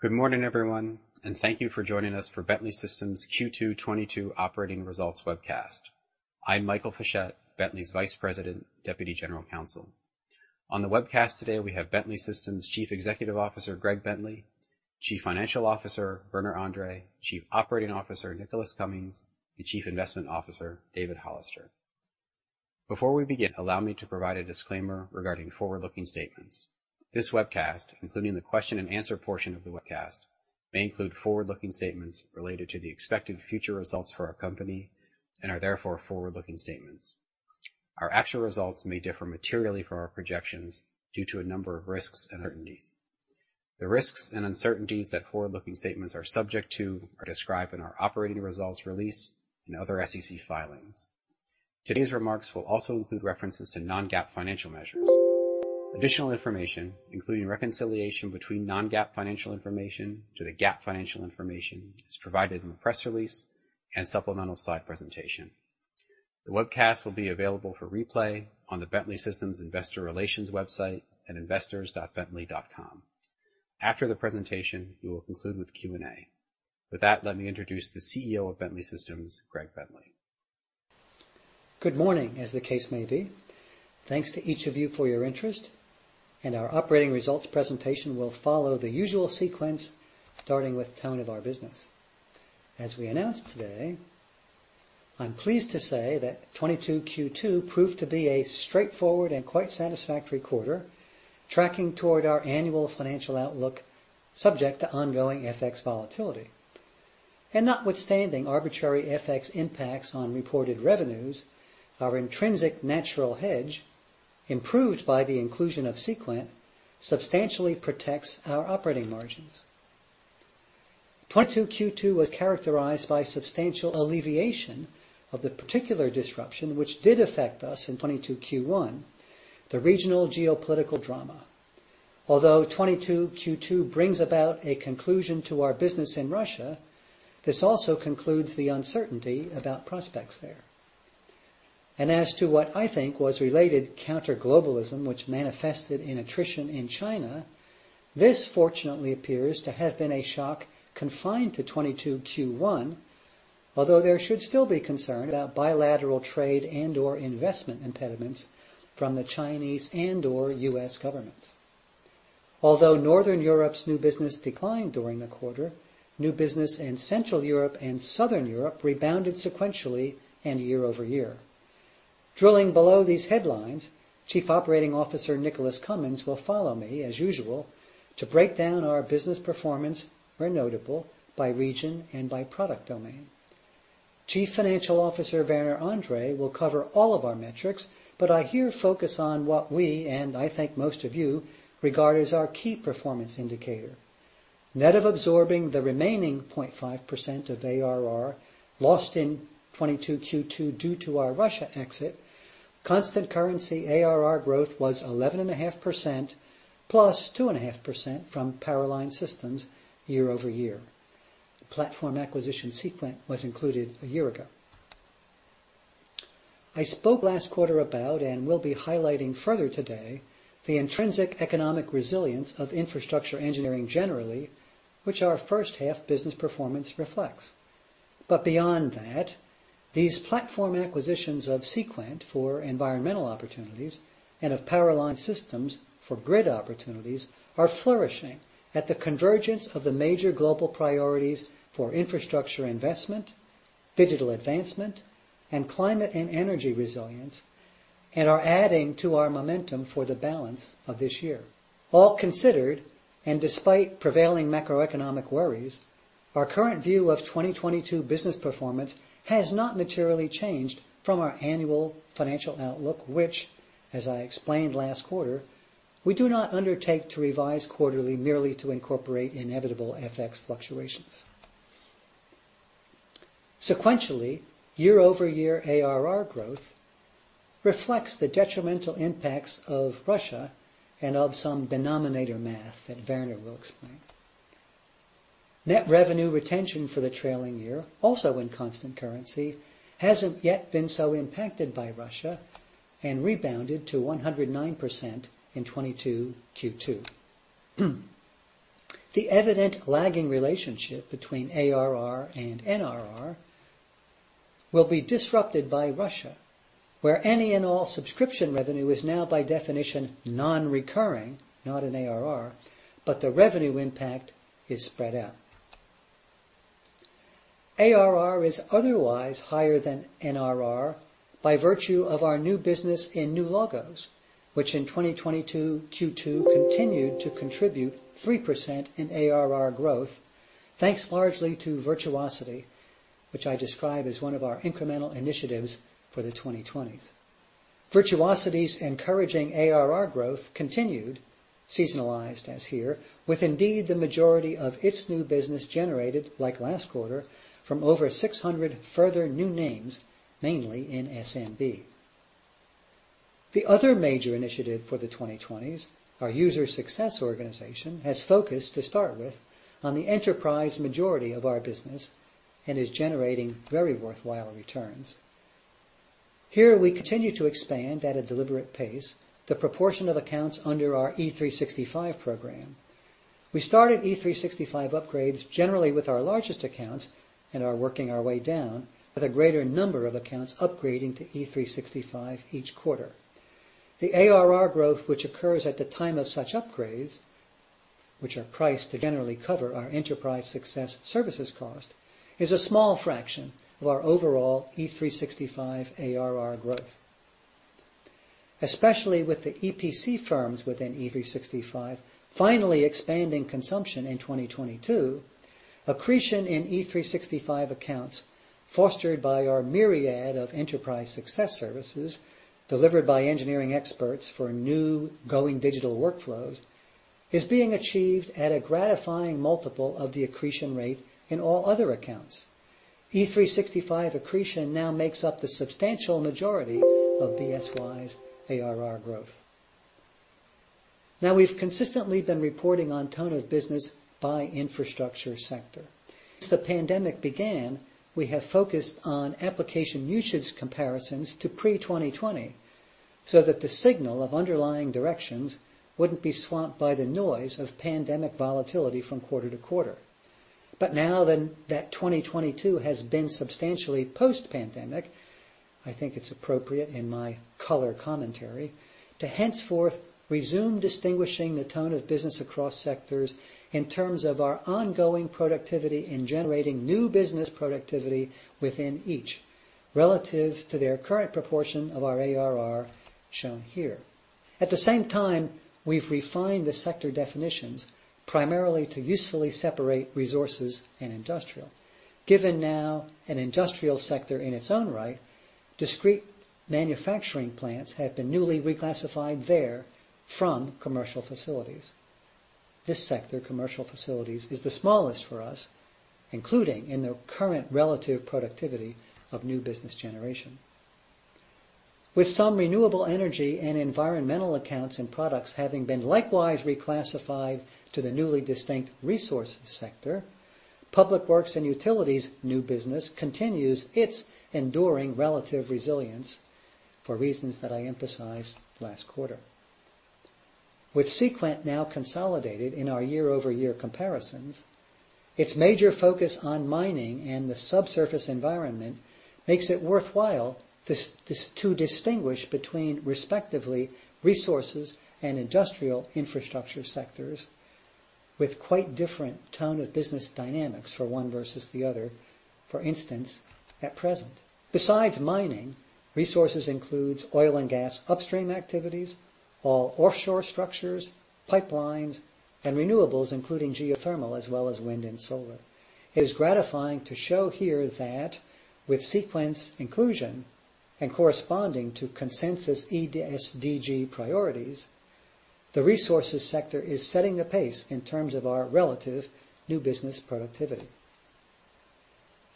Good morning, everyone, and thank you for joining us for Bentley Systems Q2 2022 operating results webcast. I'm Michael Fischette, Bentley's Vice President and Deputy General Counsel. On the webcast today, we have Bentley Systems' Chief Executive Officer, Greg Bentley, Chief Financial Officer, Werner Andre, Chief Operating Officer, Nicholas Cumins, and Chief Investment Officer, David Hollister. Before we begin, allow me to provide a disclaimer regarding forward-looking statements. This webcast, including the question and answer portion of the webcast, may include forward-looking statements related to the expected future results for our company and are therefore forward-looking statements. Our actual results may differ materially from our projections due to a number of risks and uncertainties. The risks and uncertainties that forward-looking statements are subject to are described in our operating results release and other SEC filings. Today's remarks will also include references to non-GAAP financial measures. Additional information, including reconciliation between non-GAAP financial information to the GAAP financial information, is provided in the press release and supplemental slide presentation. The webcast will be available for replay on the Bentley Systems investor relations website at investors.bentley.com. After the presentation, we will conclude with Q&A. With that, let me introduce the CEO of Bentley Systems, Greg Bentley. Good morning, as the case may be. Thanks to each of you for your interest, and our operating results presentation will follow the usual sequence, starting with tone of our business. As we announced today, I'm pleased to say that 2022 Q2 proved to be a straightforward and quite satisfactory quarter, tracking toward our annual financial outlook, subject to ongoing FX volatility. Notwithstanding arbitrary FX impacts on reported revenues, our intrinsic natural hedge, improved by the inclusion of Seequent, substantially protects our operating margins. 2022 Q2 was characterized by substantial alleviation of the particular disruption which did affect us in 2022 Q1, the regional geopolitical drama. Although 2022 Q2 brings about a conclusion to our business in Russia, this also concludes the uncertainty about prospects there. As to what I think was related counter-globalism, which manifested in attrition in China, this fortunately appears to have been a shock confined to 2022 Q1, although there should still be concern about bilateral trade and/or investment impediments from the Chinese and/or U.S. governments. Although Northern Europe's new business declined during the quarter, new business in Central Europe and Southern Europe rebounded sequentially and year-over-year. Drilling below these headlines, Chief Operating Officer Nicholas Cumins will follow me as usual to break down our business performance where notable by region and by product domain. Chief Financial Officer Werner Andre will cover all of our metrics, but I here focus on what we, and I think most of you, regard as our key performance indicator. Net of absorbing the remaining 0.5% of ARR lost in 2022 Q2 due to our Russia exit, constant currency ARR growth was 11.5%, +2.5% from Power Line Systems year-over-year. Platform acquisition, Seequent, was included a year ago. I spoke last quarter about, and will be highlighting further today, the intrinsic economic resilience of infrastructure engineering generally, which our first half business performance reflects. Beyond that, these platform acquisitions of Seequent for environmental opportunities and of Power Line Systems for grid opportunities are flourishing at the convergence of the major global priorities for infrastructure investment, digital advancement, and climate and energy resilience, and are adding to our momentum for the balance of this year. All considered, despite prevailing macroeconomic worries, our current view of 2022 business performance has not materially changed from our annual financial outlook, which, as I explained last quarter, we do not undertake to revise quarterly merely to incorporate inevitable FX fluctuations. Sequentially, year-over-year ARR growth reflects the detrimental impacts of Russia and of some denominator math that Werner will explain. Net revenue retention for the trailing year, also in constant currency, hasn't yet been so impacted by Russia and rebounded to 109% in 2022 Q2. The evident lagging relationship between ARR and NRR will be disrupted by Russia, where any and all subscription revenue is now by definition non-recurring, not an ARR, but the revenue impact is spread out. ARR is otherwise higher than NRR by virtue of our new business in new logos, which in 2022 Q2 continued to contribute 3% in ARR growth, thanks largely to Virtuosity, which I describe as one of our incremental initiatives for the 2020s. Virtuosity's encouraging ARR growth continued, seasonalized as here, with indeed the majority of its new business generated, like last quarter, from over 600 further new names, mainly in SMB. The other major initiative for the 2020s, our user success organization, has focused to start with on the enterprise majority of our business and is generating very worthwhile returns. Here, we continue to expand at a deliberate pace the proportion of accounts under our E365 program. We started E365 upgrades generally with our largest accounts and are working our way down with a greater number of accounts upgrading to E365 each quarter. The ARR growth, which occurs at the time of such upgrades, which are priced to generally cover our enterprise success services cost, is a small fraction of our overall E365 ARR growth. Especially with the EPC firms within E365 finally expanding consumption in 2022, accretion in E365 accounts, fostered by our myriad of enterprise success services delivered by engineering experts for new going digital workflows, is being achieved at a gratifying multiple of the accretion rate in all other accounts. E365 accretion now makes up the substantial majority of BSY's ARR growth. We've consistently been reporting on tone of business by infrastructure sector. Since the pandemic began, we have focused on application usage comparisons to pre-2020, so that the signal of underlying directions wouldn't be swamped by the noise of pandemic volatility from quarter to quarter. Now that 2022 has been substantially post-pandemic, I think it's appropriate in my color commentary to henceforth resume distinguishing the tone of business across sectors in terms of our ongoing productivity in generating new business productivity within each, relative to their current proportion of our ARR shown here. At the same time, we've refined the sector definitions primarily to usefully separate resources and industrial. Given now an industrial sector in its own right, discrete manufacturing plants have been newly reclassified there from commercial facilities. This sector, commercial facilities, is the smallest for us, including in their current relative productivity of new business generation. With some renewable energy and environmental accounts and products having been likewise reclassified to the newly distinct resource sector, public works and utilities new business continues its enduring relative resilience for reasons that I emphasized last quarter. With Seequent now consolidated in our year-over-year comparisons, its major focus on mining and the subsurface environment makes it worthwhile to distinguish between respectively resources and industrial infrastructure sectors with quite different tone of business dynamics for one versus the other, for instance, at present. Besides mining, resources includes oil and gas upstream activities, all offshore structures, pipelines, and renewables, including geothermal as well as wind and solar. It is gratifying to show here that with Seequent's inclusion and corresponding to consensus ESG priorities, the resources sector is setting the pace in terms of our relative new business productivity.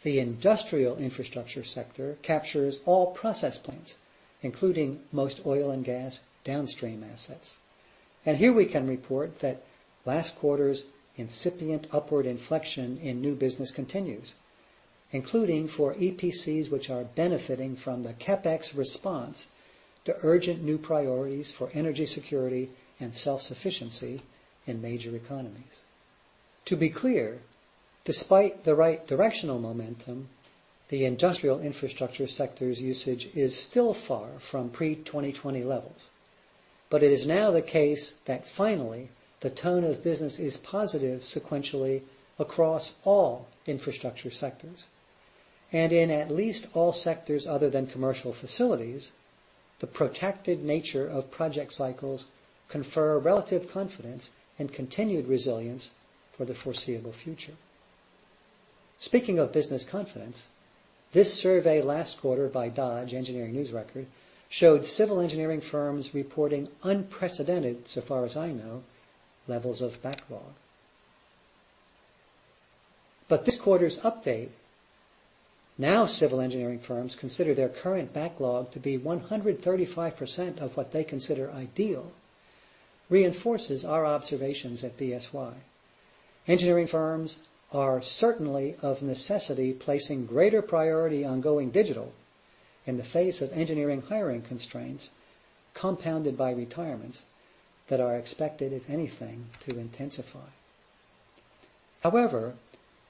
The industrial infrastructure sector captures all process plants, including most oil and gas downstream assets. Here we can report that last quarter's incipient upward inflection in new business continues, including for EPCs, which are benefiting from the CapEx response to urgent new priorities for energy security and self-sufficiency in major economies. To be clear, despite the right directional momentum, the industrial infrastructure sector's usage is still far from pre-2020 levels. It is now the case that finally the tone of business is positive sequentially across all infrastructure sectors, and in at least all sectors other than commercial facilities, the protected nature of project cycles confer relative confidence and continued resilience for the foreseeable future. Speaking of business confidence, this survey last quarter by Dodge/Engineering News-Record showed civil engineering firms reporting unprecedented, so far as I know, levels of backlog. This quarter's update, now civil engineering firms consider their current backlog to be 135% of what they consider ideal, reinforces our observations at BSY. Engineering firms are certainly of necessity placing greater priority on going digital in the face of engineering hiring constraints compounded by retirements that are expected, if anything, to intensify. However,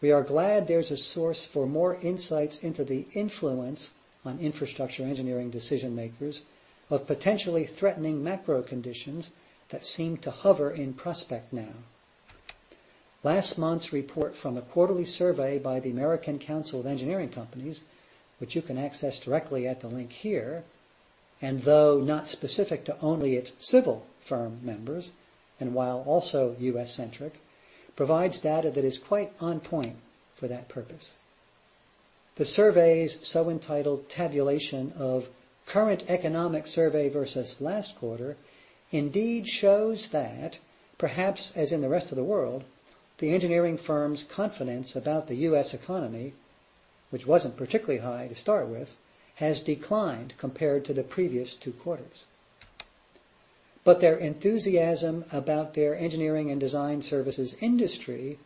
we are glad there's a source for more insights into the influence on infrastructure engineering decision-makers of potentially threatening macro conditions that seem to hover in prospect now. Last month's report from a quarterly survey by the American Council of Engineering Companies, which you can access directly at the link here, and though not specific to only its civil firm members, and while also US-centric, provides data that is quite on point for that purpose. The survey is entitled Tabulation of Current Economic Survey versus last quarter indeed shows that, perhaps as in the rest of the world, the engineering firm's confidence about the U.S. economy, which wasn't particularly high to start with, has declined compared to the previous two quarters. Their enthusiasm about their engineering and design services industry,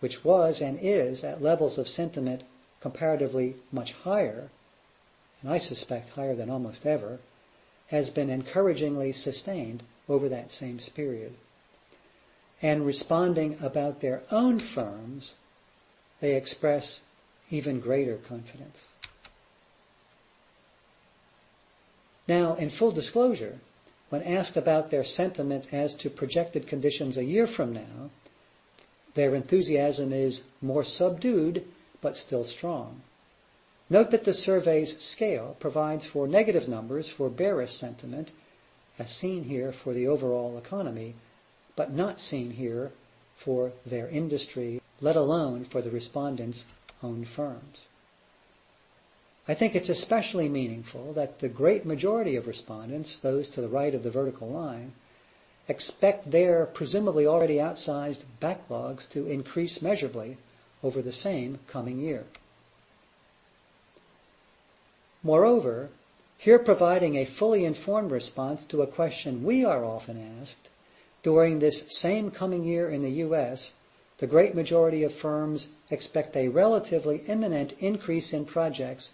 which was and is at levels of sentiment comparatively much higher, and I suspect higher than almost ever, has been encouragingly sustained over that same period. Responding about their own firms, they express even greater confidence. Now, in full disclosure, when asked about their sentiment as to projected conditions a year from now, their enthusiasm is more subdued but still strong. Note that the survey's scale provides for negative numbers for bearish sentiment, as seen here for the overall economy, but not seen here for their industry, let alone for the respondents' own firms. I think it's especially meaningful that the great majority of respondents, those to the right of the vertical line, expect their presumably already outsized backlogs to increase measurably over the same coming year. More over, here providing a fully informed response to a question we are often asked, during this same coming year in the US, the great majority of firms expect a relatively imminent increase in projects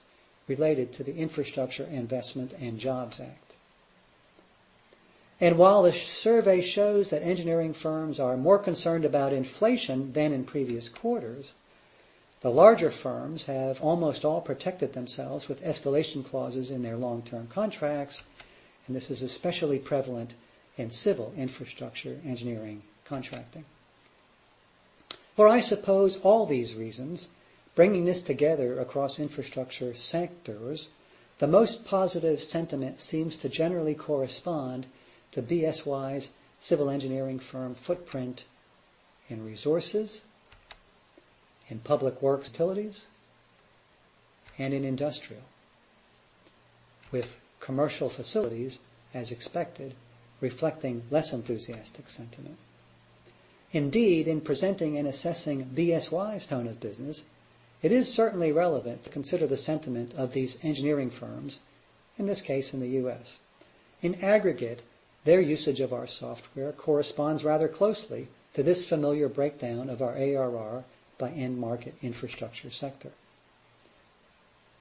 related to the Infrastructure Investment and Jobs Act. While the survey shows that engineering firms are more concerned about inflation than in previous quarters, the larger firms have almost all protected themselves with escalation clauses in their long-term contracts, and this is especially prevalent in civil infrastructure engineering contracting. For I suppose all these reasons, bringing this together across infrastructure sectors, the most positive sentiment seems to generally correspond to BSY's civil engineering firm footprint in resources, in public works utilities, and in industrial. With commercial facilities, as expected, reflecting less enthusiastic sentiment. Indeed, in presenting and assessing BSY's tone of business, it is certainly relevant to consider the sentiment of these engineering firms, in this case, in the U.S. In aggregate, their usage of our software corresponds rather closely to this familiar breakdown of our ARR by end market infrastructure sector.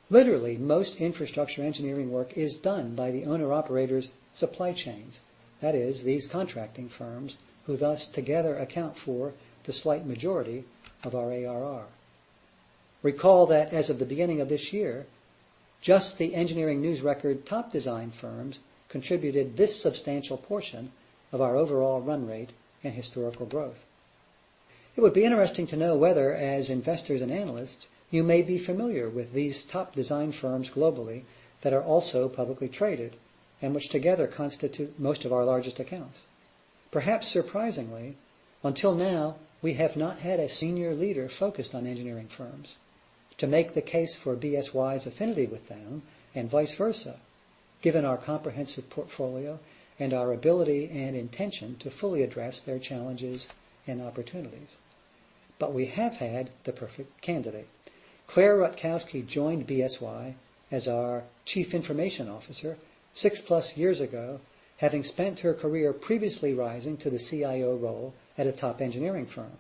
Literally, most infrastructure engineering work is done by the owner-operator's supply chains. That is, these contracting firms who thus together account for the slight majority of our ARR. Recall that as of the beginning of this year, just the Engineering News-Record top design firms contributed this substantial portion of our overall run rate and historical growth. It would be interesting to know whether, as investors and analysts, you may be familiar with these top design firms globally that are also publicly traded, and which together constitute most of our largest accounts. Perhaps surprisingly, until now, we have not had a senior leader focused on engineering firms to make the case for BSY's affinity with them and vice versa, given our comprehensive portfolio and our ability and intention to fully address their challenges and opportunities. We have had the perfect candidate. Claire Rutkowski joined BSY as our Chief Information Officer six-plus years ago, having spent her career previously rising to the CIO role at a top engineering firm.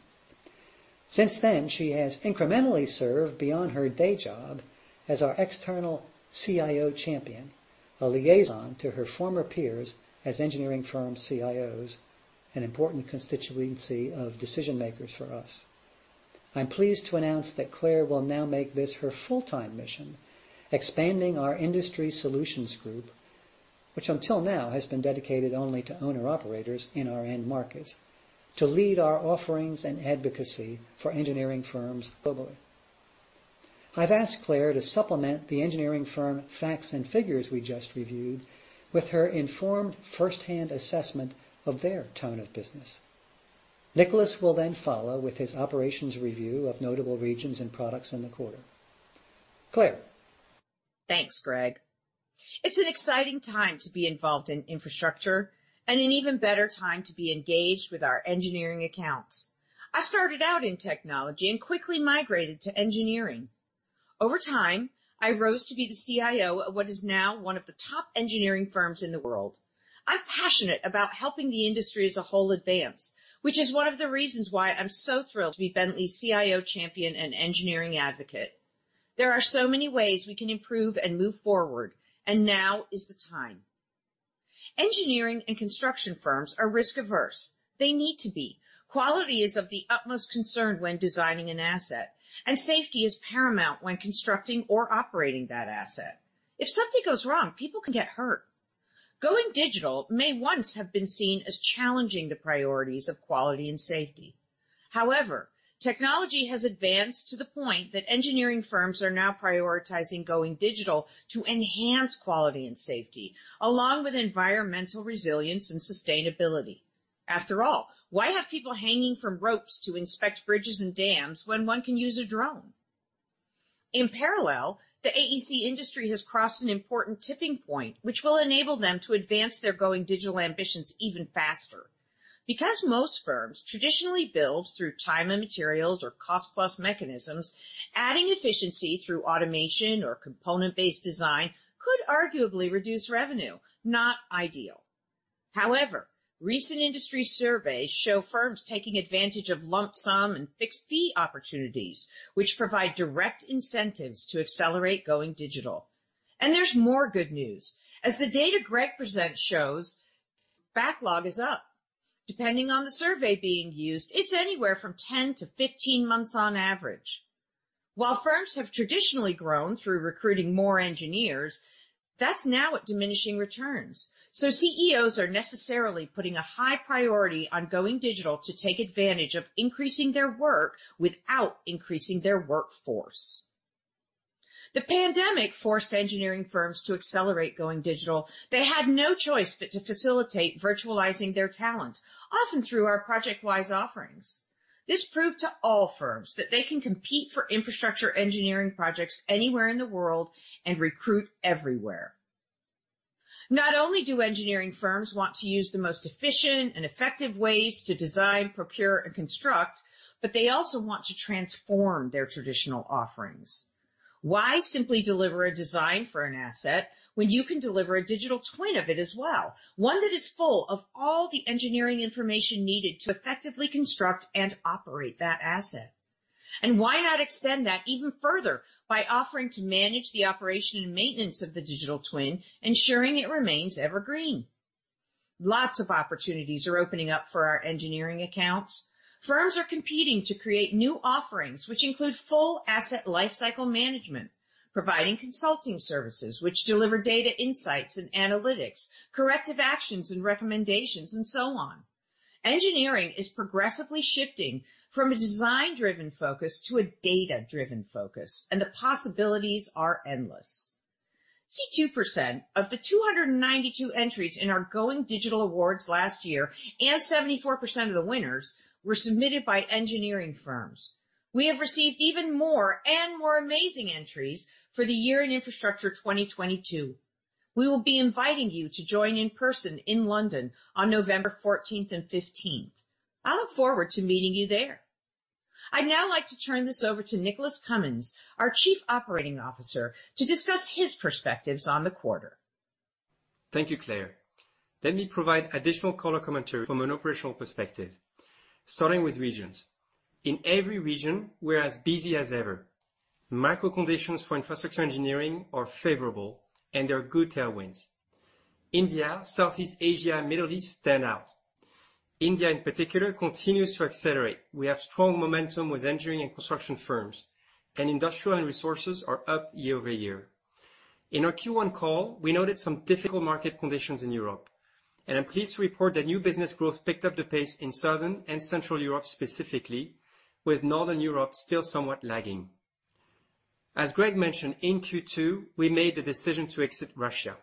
Since then, she has incrementally served beyond her day job as our external CIO champion, a liaison to her former peers as engineering firm CIOs, an important constituency of decision-makers for us. I'm pleased to announce that Claire will now make this her full-time mission, expanding our industry solutions group, which until now has been dedicated only to owner-operators in our end markets, to lead our offerings and advocacy for engineering firms globally. I've asked Claire to supplement the engineering firm facts and figures we just reviewed with her informed firsthand assessment of their tone of business. Nicholas will then follow with his operations review of notable regions and products in the quarter. Claire. Thanks, Greg. It's an exciting time to be involved in infrastructure and an even better time to be engaged with our engineering accounts. I started out in technology and quickly migrated to engineering. Over time, I rose to be the CIO of what is now one of the top engineering firms in the world. I'm passionate about helping the industry as a whole advance, which is one of the reasons why I'm so thrilled to be Bentley's CIO champion and engineering advocate. There are so many ways we can improve and move forward, and now is the time. Engineering and construction firms are risk-averse. They need to be. Quality is of the utmost concern when designing an asset, and safety is paramount when constructing or operating that asset. If something goes wrong, people can get hurt. Going digital may once have been seen as challenging the priorities of quality and safety. However, technology has advanced to the point that engineering firms are now prioritizing going digital to enhance quality and safety, along with environmental resilience and sustainability. After all, why have people hanging from ropes to inspect bridges and dams when one can use a drone? In parallel, the AEC industry has crossed an important tipping point, which will enable them to advance their going digital ambitions even faster. Because most firms traditionally build through time and materials or cost plus mechanisms, adding efficiency through automation or component-based design could arguably reduce revenue, not ideal. However, recent industry surveys show firms taking advantage of lump sum and fixed fee opportunities, which provide direct incentives to accelerate going digital. There's more good news. As the data Greg presents shows, backlog is up. Depending on the survey being used, it's anywhere from 10-15 months on average. While firms have traditionally grown through recruiting more engineers, that's now at diminishing returns. CEOs are necessarily putting a high priority on going digital to take advantage of increasing their work without increasing their workforce. The pandemic forced engineering firms to accelerate going digital. They had no choice but to facilitate virtualizing their talent, often through our ProjectWise offerings. This proved to all firms that they can compete for infrastructure engineering projects anywhere in the world and recruit everywhere. Not only do engineering firms want to use the most efficient and effective ways to design, procure, and construct, but they also want to transform their traditional offerings. Why simply deliver a design for an asset when you can deliver a digital twin of it as well? One that is full of all the engineering information needed to effectively construct and operate that asset? Why not extend that even further by offering to manage the operation and maintenance of the digital twin, ensuring it remains evergreen? Lots of opportunities are opening up for our engineering accounts. Firms are competing to create new offerings, which include full asset lifecycle management, providing consulting services which deliver data insights and analytics, corrective actions and recommendations, and so on. Engineering is progressively shifting from a design-driven focus to a data-driven focus, and the possibilities are endless. See, 2% of the 292 entries in our Going Digital Awards last year, and 74% of the winners, were submitted by engineering firms. We have received even more and more amazing entries for the Year in Infrastructure 2022. We will be inviting you to join in person in London on November fourteenth and fifteenth. I look forward to meeting you there. I'd now like to turn this over to Nicholas Cumins, our Chief Operating Officer, to discuss his perspectives on the quarter. Thank you, Claire. Let me provide additional color commentary from an operational perspective, starting with regions. In every region, we're as busy as ever. Macro conditions for infrastructure engineering are favorable, and there are good tailwinds. India, Southeast Asia, and Middle East stand out. India, in particular, continues to accelerate. We have strong momentum with engineering and construction firms, and industrial and resources are up year over year. In our Q1 call, we noted some difficult market conditions in Europe, and I'm pleased to report that new business growth picked up the pace in Southern and Central Europe, specifically with Northern Europe still somewhat lagging. As Greg mentioned, in Q2, we made the decision to exit Russia.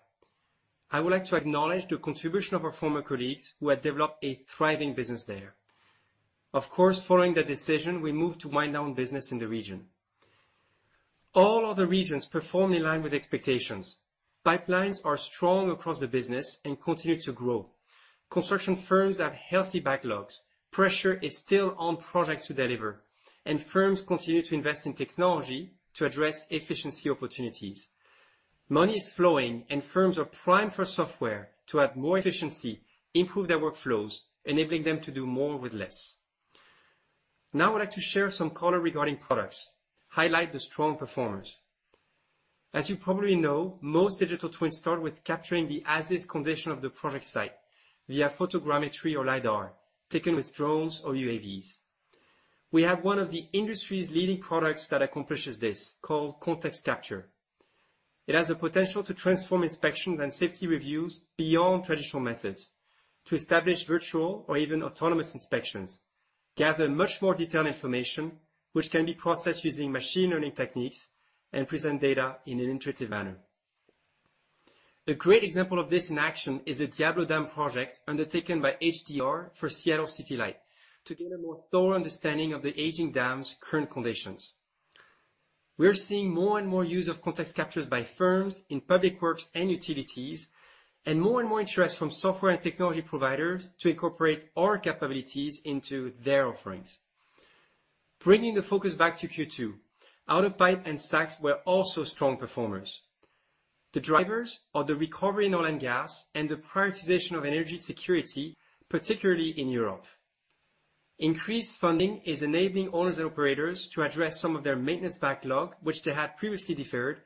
I would like to acknowledge the contribution of our former colleagues who had developed a thriving business there. Of course, following that decision, we moved to wind down business in the region. All other regions performed in line with expectations. Pipelines are strong across the business and continue to grow. Construction firms have healthy backlogs. Pressure is still on projects to deliver, and firms continue to invest in technology to address efficiency opportunities. Money is flowing, and firms are primed for software to add more efficiency, improve their workflows, enabling them to do more with less. Now, I'd like to share some color regarding products, highlight the strong performance. As you probably know, most digital twins start with capturing the as-is condition of the project site via photogrammetry or lidar taken with drones or UAVs. We have one of the industry's leading products that accomplishes this, called ContextCapture. It has the potential to transform inspections and safety reviews beyond traditional methods to establish virtual or even autonomous inspections, gather much more detailed information which can be processed using machine learning techniques, and present data in an intuitive manner. A great example of this in action is the Diablo Dam project undertaken by HDR for Seattle City Light to get a more thorough understanding of the aging dam's current conditions. We're seeing more and more use of ContextCapture by firms in public works and utilities, and more and more interest from software and technology providers to incorporate our capabilities into their offerings. Bringing the focus back to Q2, AutoPIPE and SACS were also strong performers. The drivers of the recovery in oil and gas and the prioritization of energy security, particularly in Europe. Increased funding is enabling owners and operators to address some of their maintenance backlog, which they had previously deferred.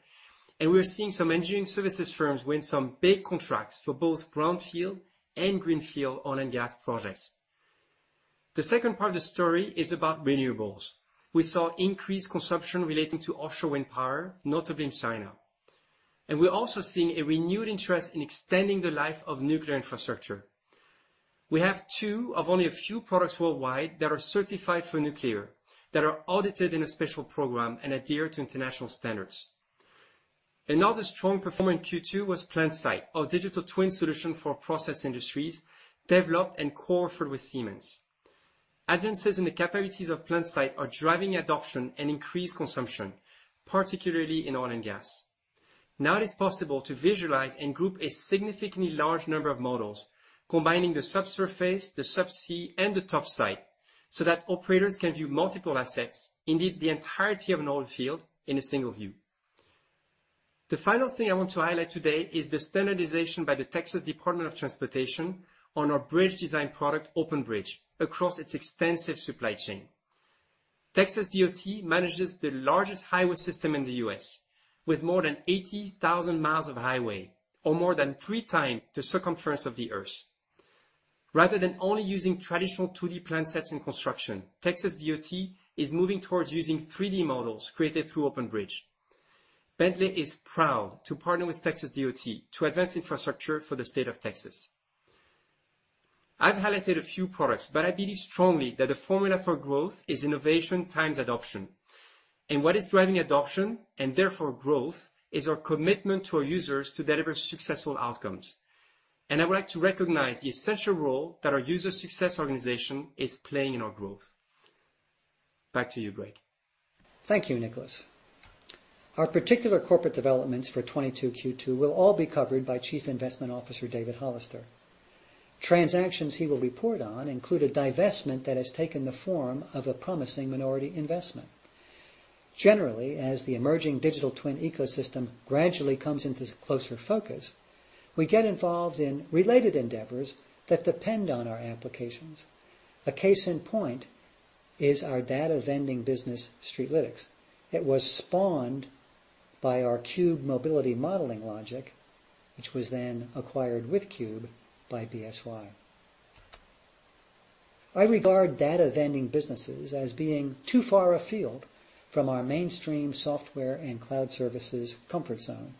We're seeing some engineering services firms win some big contracts for both brownfield and greenfield oil and gas projects. The second part of the story is about renewables. We saw increased consumption relating to offshore wind power, notably in China. We're also seeing a renewed interest in extending the life of nuclear infrastructure. We have two of only a few products worldwide that are certified for nuclear, that are audited in a special program and adhere to international standards. Another strong performer in Q2 was PlantSight, our digital twin solution for process industries developed and co-offered with Siemens. Advances in the capabilities of PlantSight are driving adoption and increased consumption, particularly in oil and gas. Now it is possible to visualize and group a significantly large number of models, combining the subsurface, the subsea, and the top site, so that operators can view multiple assets, indeed the entirety of an oil field in a single view. The final thing I want to highlight today is the standardization by the Texas Department of Transportation on our bridge design product, OpenBridge, across its extensive supply chain. Texas DOT manages the largest highway system in the U.S. with more than 80,000 miles of highway or more than three times the circumference of the Earth. Rather than only using traditional 2D plan sets in construction, Texas DOT is moving towards using 3D models created through OpenBridge. Bentley is proud to partner with Texas DOT to advance infrastructure for the state of Texas. I've highlighted a few products, but I believe strongly that the formula for growth is innovation times adoption. What is driving adoption and therefore growth is our commitment to our users to deliver successful outcomes. I would like to recognize the essential role that our user success organization is playing in our growth. Back to you, Greg. Thank you, Nicholas. Our particular corporate developments for 2022 Q2 will all be covered by Chief Investment Officer David Hollister. Transactions he will report on include a divestment that has taken the form of a promising minority investment. Generally, as the emerging digital twin ecosystem gradually comes into closer focus, we get involved in related endeavors that depend on our applications. A case in point is our data vending business, Streetlytics. It was spawned by our Cube mobility modeling logic, which was then acquired with CUBE by BSY. I regard data vending businesses as being too far afield from our mainstream software and cloud services comfort zone.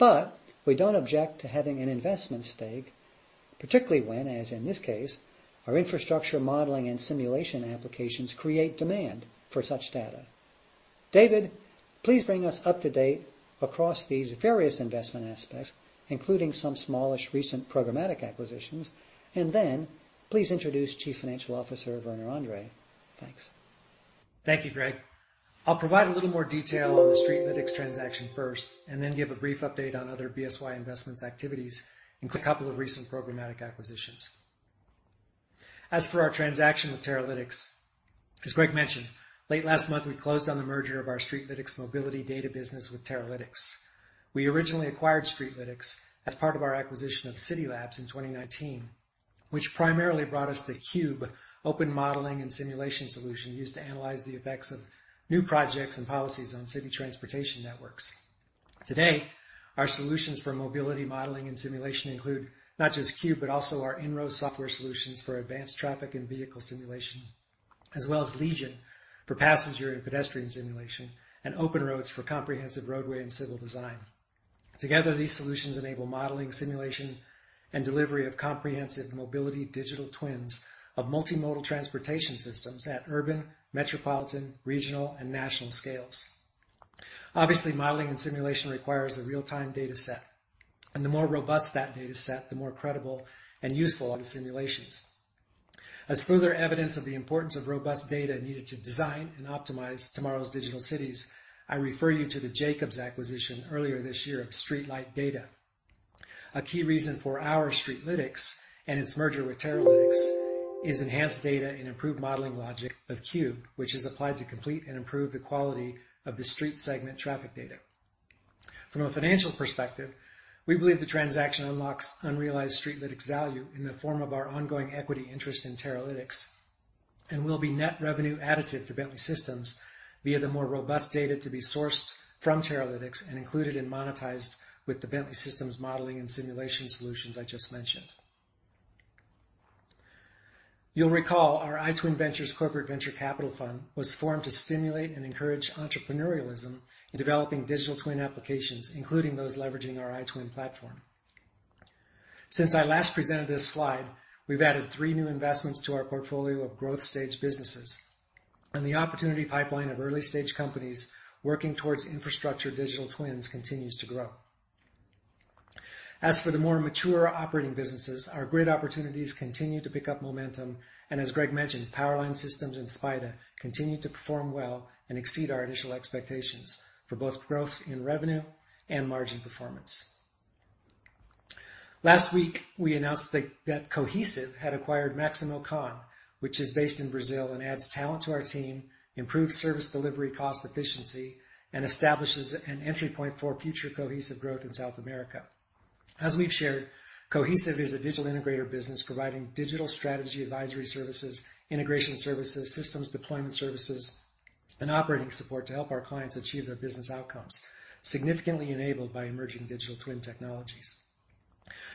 We don't object to having an investment stake, particularly when, as in this case, our infrastructure modeling and simulation applications create demand for such data. David, please bring us up to date across these various investment aspects, including some smallish recent programmatic acquisitions, and then please introduce Chief Financial Officer Werner Andre. Thanks. Thank you, Greg. I'll provide a little more detail on the Streetlytics transaction first, and then give a brief update on other BSY investment activities, including a couple of recent programmatic acquisitions. As for our transaction with Teralytics, as Greg mentioned, late last month, we closed on the merger of our Streetlytics mobility data business with Teralytics. We originally acquired Streetlytics as part of our acquisition of Citilabs in 2019, which primarily brought us the CUBE open modeling and simulation solution used to analyze the effects of new projects and policies on city transportation networks. Today, our solutions for mobility, modeling, and simulation include not just CUBE, but also our INRO software solutions for advanced traffic and vehicle simulation, as well as LEGION for passenger and pedestrian simulation, and OpenRoads for comprehensive roadway and civil design. Together, these solutions enable modeling, simulation, and delivery of comprehensive mobility digital twins of multimodal transportation systems at urban, metropolitan, regional, and national scales. Obviously, modeling and simulation requires a real-time data set, and the more robust that data set, the more credible and useful are the simulations. As further evidence of the importance of robust data needed to design and optimize tomorrow's digital cities, I refer you to the Jacobs acquisition earlier this year of StreetLight Data. A key reason for our Streetlytics and its merger with Teralytics is enhanced data and improved modeling logic of Cube, which is applied to complete and improve the quality of the street segment traffic data. From a financial perspective, we believe the transaction unlocks unrealized Streetlytics value in the form of our ongoing equity interest in Teralytics and will be net revenue additive to Bentley Systems via the more robust data to be sourced from Teralytics and included and monetized with the Bentley Systems modeling and simulation solutions I just mentioned. You'll recall our iTwin Ventures corporate venture capital fund was formed to stimulate and encourage entrepreneurialism in developing digital twin applications, including those leveraging our iTwin platform. Since I last presented this slide, we've added three new investments to our portfolio of growth stage businesses, and the opportunity pipeline of early-stage companies working towards infrastructure digital twins continues to grow. As for the more mature operating businesses, our grid opportunities continue to pick up momentum. As Greg mentioned, Power Line Systems and SPIDA continue to perform well and exceed our initial expectations for both growth in revenue and margin performance. Last week, we announced that Cohesive had acquired MaximoCon, which is based in Brazil and adds talent to our team, improves service delivery, cost efficiency, and establishes an entry point for future Cohesive growth in South America. As we've shared, Cohesive is a digital integrator business providing digital strategy, advisory services, integration services, systems deployment services, and operating support to help our clients achieve their business outcomes, significantly enabled by emerging digital twin technologies.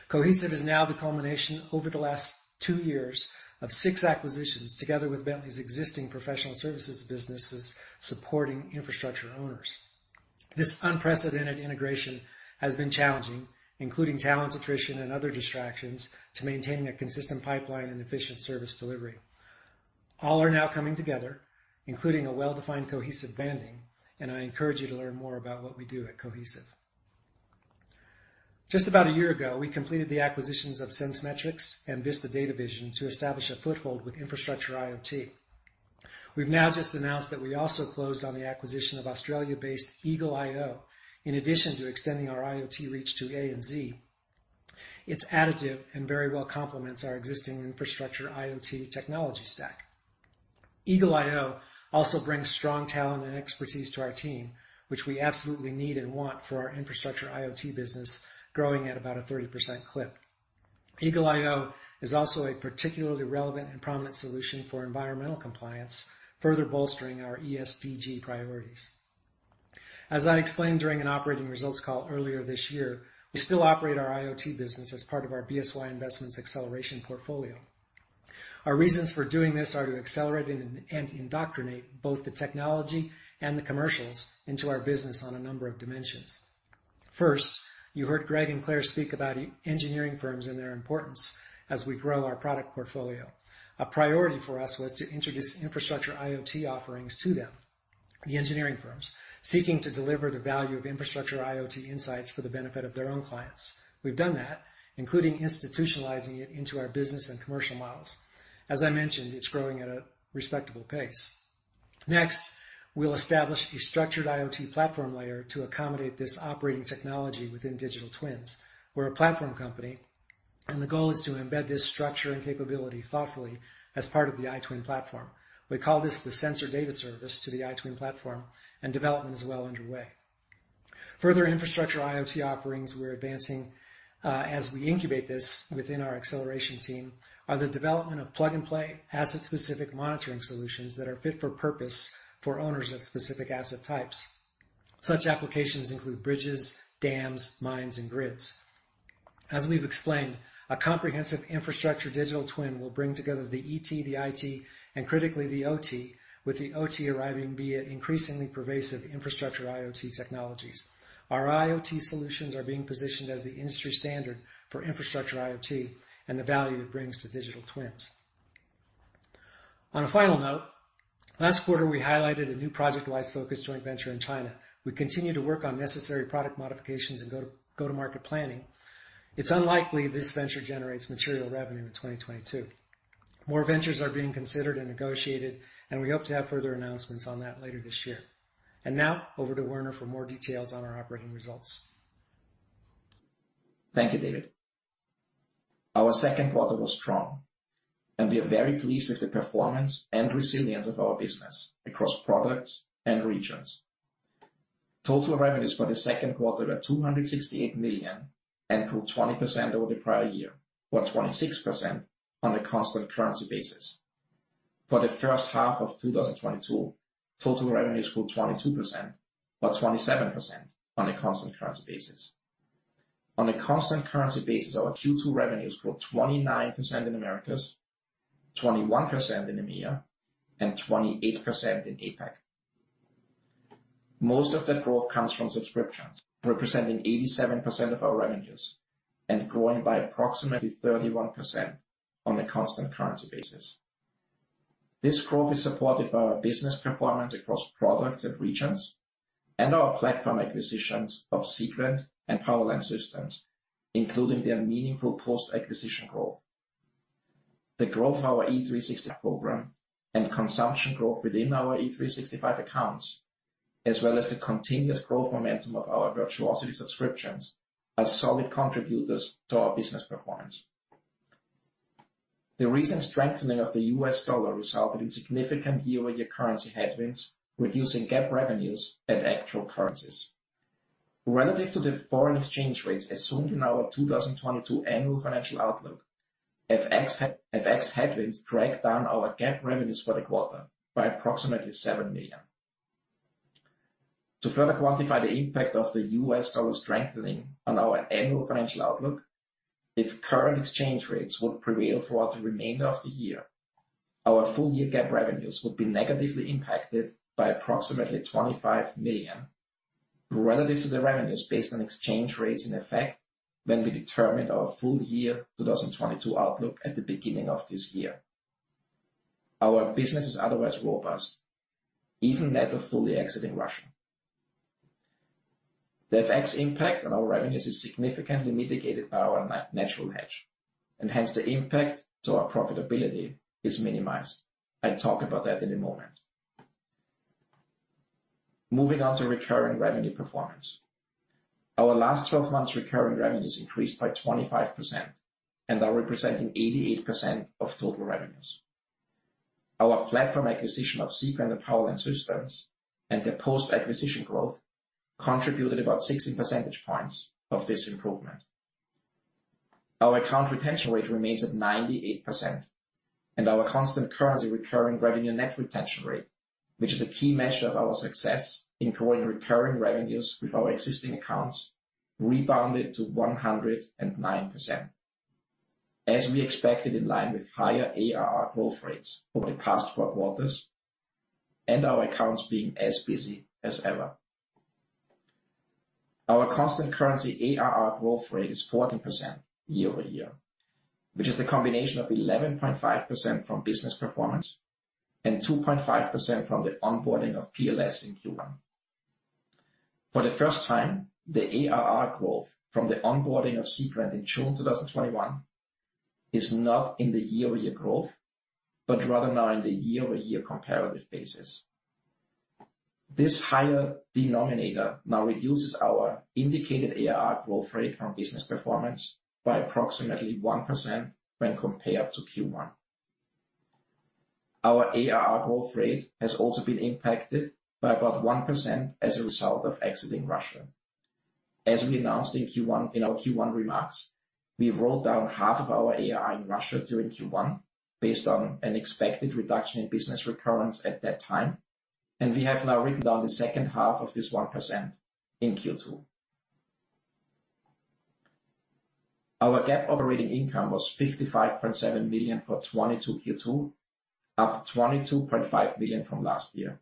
Cohesive is now the culmination over the last two years of six acquisitions, together with Bentley's existing professional services businesses supporting infrastructure owners. This unprecedented integration has been challenging, including talent attrition and other distractions, to maintaining a consistent pipeline and efficient service delivery. All are now coming together, including a well-defined Cohesive branding, and I encourage you to learn more about what we do at Cohesive. Just about a year ago, we completed the acquisitions of Sensemetrics and Vista Data Vision to establish a foothold with infrastructure IoT. We've now just announced that we also closed on the acquisition of Australia-based eagle.io. In addition to extending our IoT reach to A and Z, it's additive and very well complements our existing infrastructure IoT technology stack. eagle.io also brings strong talent and expertise to our team, which we absolutely need and want for our infrastructure IoT business, growing at about a 30% clip. eagle.io is also a particularly relevant and prominent solution for environmental compliance, further bolstering our ESG priorities. As I explained during an operating results call earlier this year, we still operate our IoT business as part of our BSY Investments acceleration portfolio. Our reasons for doing this are to accelerate and integrate both the technology and the commercials into our business on a number of dimensions. First, you heard Greg and Claire speak about EPC engineering firms and their importance as we grow our product portfolio. A priority for us was to introduce infrastructure IoT offerings to them, the engineering firms, seeking to deliver the value of infrastructure IoT insights for the benefit of their own clients. We've done that, including institutionalizing it into our business and commercial models. As I mentioned, it's growing at a respectable pace. Next, we'll establish a structured IoT platform layer to accommodate this operating technology within digital twins. We're a platform company, and the goal is to embed this structure and capability thoughtfully as part of the iTwin platform. We call this the sensor data service to the iTwin platform, and development is well underway. Further infrastructure IoT offerings we're advancing, as we incubate this within our acceleration team, are the development of plug-and-play asset-specific monitoring solutions that are fit for purpose for owners of specific asset types. Such applications include bridges, dams, mines, and grids. As we've explained, a comprehensive infrastructure digital twin will bring together the ET, the IT, and critically, the OT, with the OT arriving via increasingly pervasive infrastructure IoT technologies. Our IoT solutions are being positioned as the industry standard for infrastructure IoT and the value it brings to digital twins. On a final note, last quarter, we highlighted a new ProjectWise focused joint venture in China. We continue to work on necessary product modifications and go-to-market planning. It's unlikely this venture generates material revenue in 2022. More ventures are being considered and negotiated, and we hope to have further announcements on that later this year. Now over to Werner for more details on our operating results. Thank you, David. Our second quarter was strong, and we are very pleased with the performance and resilience of our business across products and regions. Total revenues for the second quarter are $268 million and grew 20% over the prior year, or 26% on a constant currency basis. For the first half of 2022, total revenues grew 22%, or 27% on a constant currency basis. On a constant currency basis, our Q2 revenues grew 29% in Americas, 21% in EMEA, and 28% in APAC. Most of that growth comes from subscriptions, representing 87% of our revenues and growing by approximately 31% on a constant currency basis. This growth is supported by our business performance across products and regions and our platform acquisitions of Seequent and Power Line Systems, including their meaningful post-acquisition growth. The growth of our E365 program and consumption growth within our E365 accounts, as well as the continued growth momentum of our Virtuosity subscriptions, are solid contributors to our business performance. The recent strengthening of the US dollar resulted in significant year-over-year currency headwinds, reducing GAAP revenues at actual currencies. Relative to the foreign exchange rates assumed in our 2022 annual financial outlook, FX headwinds dragged down our GAAP revenues for the quarter by approximately $7 million. To further quantify the impact of the US dollar strengthening on our annual financial outlook, if current exchange rates would prevail throughout the remainder of the year, our full year GAAP revenues would be negatively impacted by approximately $25 million relative to the revenues based on exchange rates in effect when we determined our full year 2022 outlook at the beginning of this year. Our business is otherwise robust, even that of fully exiting Russia. The FX impact on our revenues is significantly mitigated by our natural hedge, and hence the impact to our profitability is minimized. I'll talk about that in a moment. Moving on to recurring revenue performance. Our last 12 months recurring revenues increased by 25% and are representing 88% of total revenues. Our platform acquisition of Seequent and Power Line Systems and their post-acquisition growth contributed about 16 percentage points of this improvement. Our account retention rate remains at 98%, and our constant currency recurring revenue net retention rate, which is a key measure of our success in growing recurring revenues with our existing accounts, rebounded to 109%, as we expected, in line with higher ARR growth rates over the past 4 quarters and our accounts being as busy as ever. Our constant currency ARR growth rate is 14% year-over-year, which is the combination of 11.5% from business performance and 2.5% from the onboarding of PLS in Q1. For the first time, the ARR growth from the onboarding of Seequent in June 2021 is not in the year-over-year growth, but rather now in the year-over-year comparative basis. This higher denominator now reduces our indicated ARR growth rate from business performance by approximately 1% when compared to Q1. Our ARR growth rate has also been impacted by about 1% as a result of exiting Russia. As we announced in our Q1 remarks, we wrote down half of our ARR in Russia during Q1 based on an expected reduction in business recurrence at that time, and we have now written down the second half of this 1% in Q2. Our GAAP operating income was $55.7 million for 2022 Q2, up $22.5 million from last year.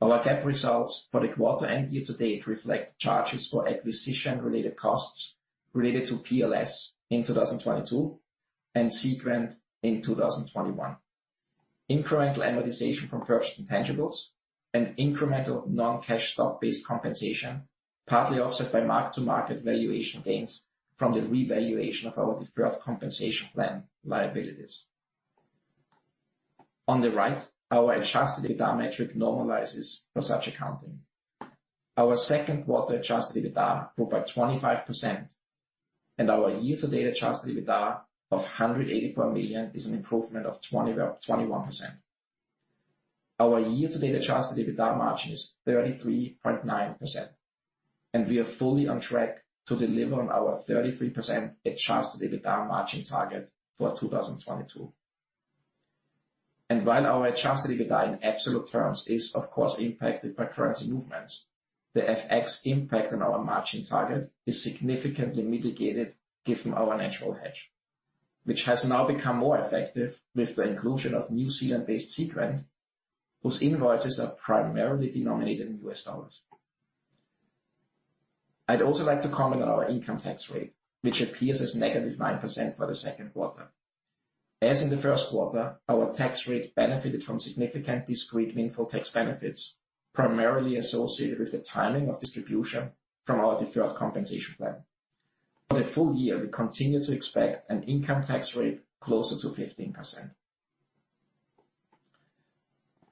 Our GAAP results for the quarter and year to date reflect charges for acquisition-related costs related to PLS in 2022 and Seequent in 2021. Incremental amortization from purchased intangibles and incremental non-cash stock-based compensation, partly offset by mark-to-market valuation gains from the revaluation of our deferred compensation plan liabilities. On the right, our adjusted EBITDA metric normalizes for such accounting. Our second-quarter adjusted EBITDA grew by 25%, and our year-to-date adjusted EBITDA of $184 million is an improvement of 21%. Our year-to-date adjusted EBITDA margin is 33.9%, and we are fully on track to deliver on our 33% adjusted EBITDA margin target for 2022. While our adjusted EBITDA in absolute terms is of course impacted by currency movements, the FX impact on our margin target is significantly mitigated given our natural hedge, which has now become more effective with the inclusion of New Zealand-based Seequent, whose invoices are primarily denominated in US dollars. I'd also like to comment on our income tax rate, which appears as -9% for the second quarter. As in the first quarter, our tax rate benefited from significant discrete meaningful tax benefits, primarily associated with the timing of distribution from our deferred compensation plan. For the full year, we continue to expect an income tax rate closer to 15%.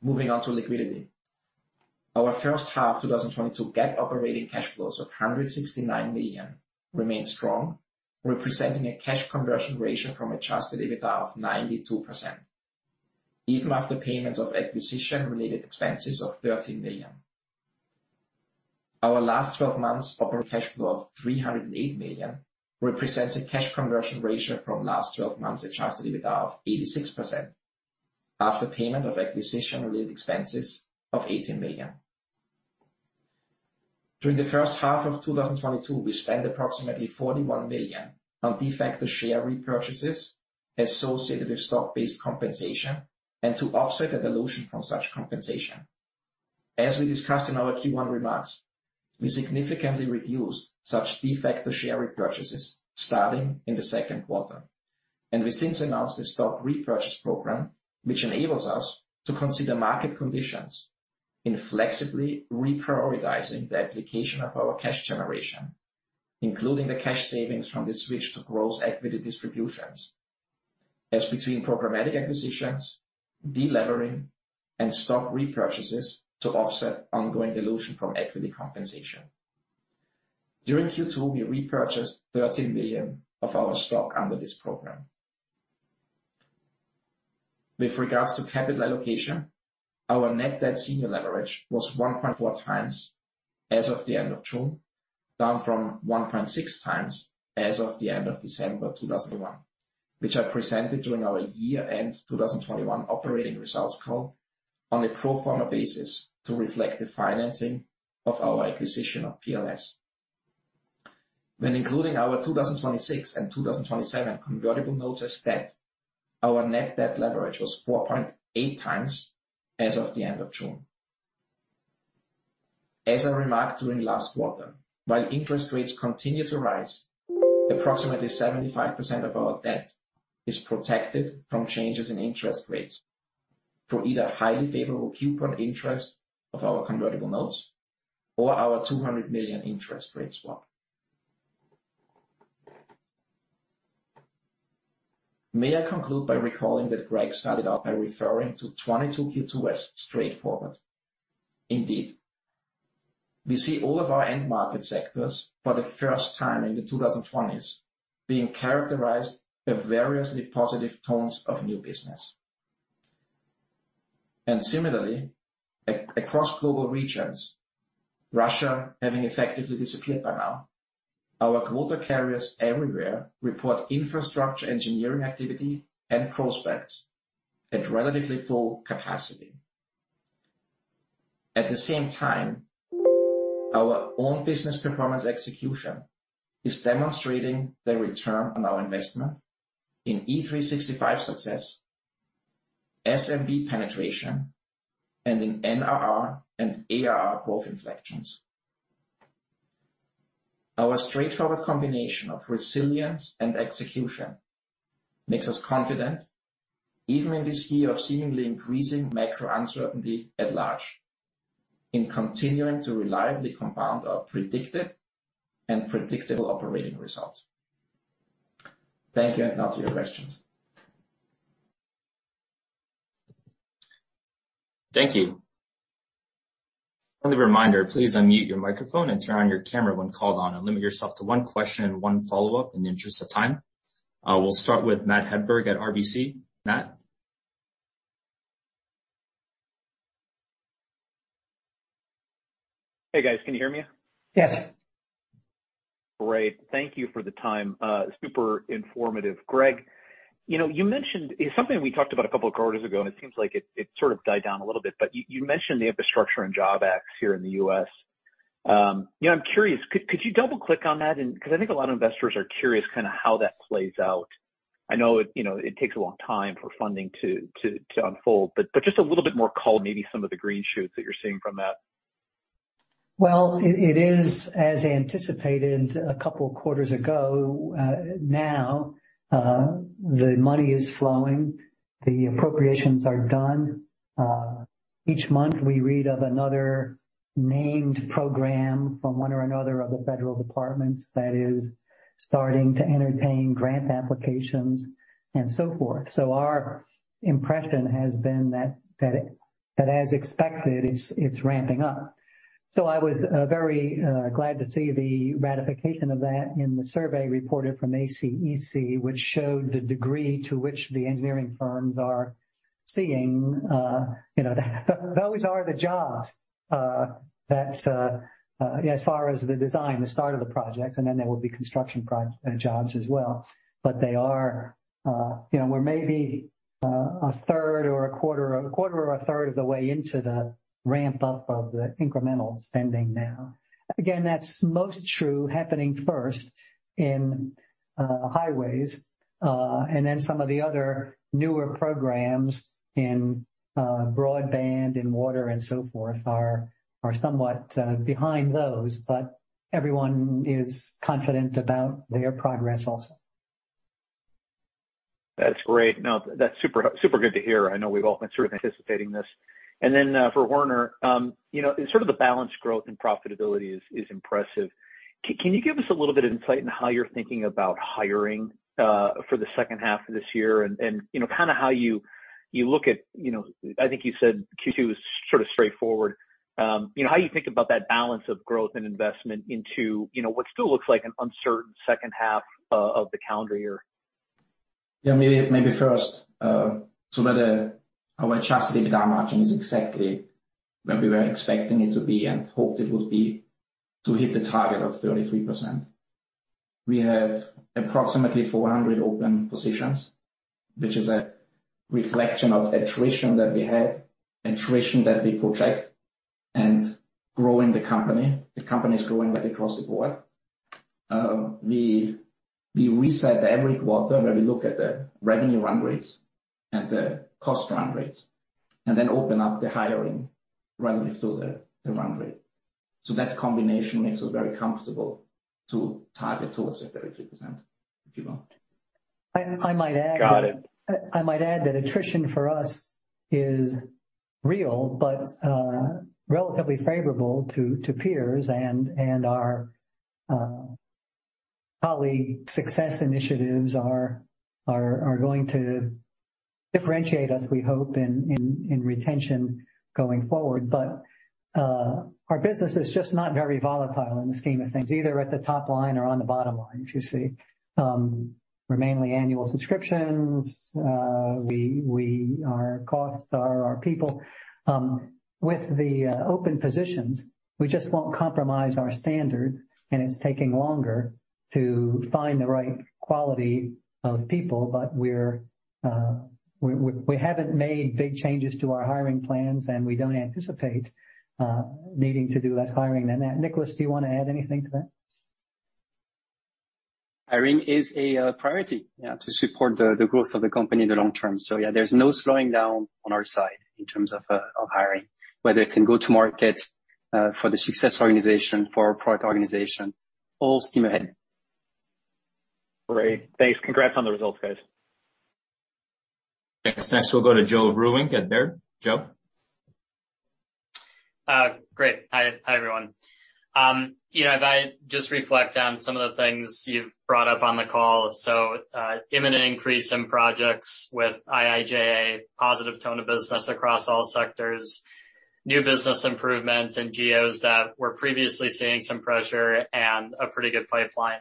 Moving on to liquidity. Our first half 2022 GAAP operating cash flows of $169 million remain strong, representing a cash conversion ratio from adjusted EBITDA of 92%, even after payments of acquisition-related expenses of $13 million. Our last twelve months operating cash flow of $308 million represents a cash conversion ratio from last twelve months adjusted EBITDA of 86% after payment of acquisition-related expenses of $18 million. During the first half of 2022, we spent approximately $41 million on de facto share repurchases associated with stock-based compensation and to offset a dilution from such compensation. As we discussed in our Q1 remarks, we significantly reduced such de facto share repurchases starting in the second quarter, and we since announced a stock repurchase program, which enables us to consider market conditions in flexibly reprioritizing the application of our cash generation, including the cash savings from the switch to gross equity distributions, as between programmatic acquisitions, Delivering, and stock repurchases to offset ongoing dilution from equity compensation. During Q2, we repurchased 13 million of our stock under this program. With regards to capital allocation, our net debt senior leverage was 1.4x as of the end of June, down from 1.6x as of the end of December 2021, which I presented during our year-end 2021 operating results call on a pro forma basis to reflect the financing of our acquisition of PLS. When including our 2006 and 2007 convertible notes as debt, our net debt leverage was 4.8x as of the end of June. As I remarked during last quarter, while interest rates continue to rise, approximately 75% of our debt is protected from changes in interest rates through either highly favorable coupon interest of our convertible notes or our $200 million interest rate swap. May I conclude by recalling that Greg started out by referring to 2022 Q2 as straightforward. Indeed, we see all of our end market sectors for the first time in the 2020s being characterized by variously positive tones of new business. Similarly, across global regions, Russia having effectively disappeared by now, our quarter carriers everywhere report infrastructure engineering activity and prospects at relatively full capacity. At the same time, our own business performance execution is demonstrating the return on our investment in E365 success, SMB penetration, and in NRR and ARR growth inflections. Our straightforward combination of resilience and execution makes us confident, even in this year of seemingly increasing macro uncertainty at large, in continuing to reliably compound our predicted and predictable operating results. Thank you, and now to your questions. Thank you. Friendly reminder, please unmute your microphone and turn on your camera when called on, and limit yourself to one question and one follow-up in the interest of time. We'll start with Matt Hedberg at RBC. Matt? Hey, guys. Can you hear me? Yes. Great. Thank you for the time. Super informative. Greg, you know, you mentioned something we talked about a couple of quarters ago, and it seems like it sort of died down a little bit, but you mentioned the Infrastructure Investment and Jobs Act here in the US. You know, I'm curious, could you double-click on that and, 'cause I think a lot of investors are curious kinda how that plays out. I know it, you know, it takes a long time for funding to unfold, but just a little bit more color, maybe some of the green shoots that you're seeing from that. Well, it is as anticipated a couple of quarters ago, now the money is flowing, the appropriations are done. Each month we read of another named program from one or another of the federal departments that is starting to entertain grant applications and so forth. Our impression has been that as expected, it's ramping up. I was very glad to see the ratification of that in the survey reported from ACEC, which showed the degree to which the engineering firms are seeing, you know. Those are the jobs that as far as the design, the start of the projects, and then there will be construction jobs as well. They are, you know, we're maybe a quarter or a third of the way into the ramp-up of the incremental spending now. Again, that's most true happening first in highways, and then some of the other newer programs in broadband and water and so forth are somewhat behind those, but everyone is confident about their progress also. That's great. No, that's super good to hear. I know we've all been sort of anticipating this. For Werner, you know, sort of the balanced growth and profitability is impressive. Can you give us a little bit of insight on how you're thinking about hiring for the second half of this year? You know, kinda how you look at, you know, I think you said Q2 is sort of straightforward. You know, how you think about that balance of growth and investment into what still looks like an uncertain second half of the calendar year. Our adjusted EBITDA margin is exactly where we were expecting it to be and hoped it would be to hit the target of 33%. We have approximately 400 open positions, which is a reflection of attrition that we had, attrition that we project, and growing the company. The company is growing right across the board. We reset every quarter where we look at the revenue run rates and the cost run rates, and then open up the hiring relative to the run rate. That combination makes us very comfortable to target towards the 33% if you want. Got it. I might add that attrition for us is real, but relatively favorable to peers and our colleague success initiatives are going to differentiate us, we hope, in retention going forward. Our business is just not very volatile in the scheme of things, either at the top line or on the bottom line, if you see. We're mainly annual subscriptions. Our costs are our people. With the open positions, we just won't compromise our standard, and it's taking longer to find the right quality of people. We haven't made big changes to our hiring plans, and we don't anticipate needing to do less hiring than that. Nicholas, do you wanna add anything to that? Hiring is a priority, yeah, to support the growth of the company in the long term. Yeah, there's no slowing down on our side in terms of hiring, whether it's in go-to-markets, for the success organization, for our product organization. All steam ahead. Great. Thanks. Congrats on the results, guys. Next, we'll go to Joe Vruwink at Baird. Joe? Great. Hi, everyone. You know, if I just reflect on some of the things you've brought up on the call, imminent increase in projects with IIJA, positive tone of business across all sectors, new business improvement in geos that were previously seeing some pressure and a pretty good pipeline.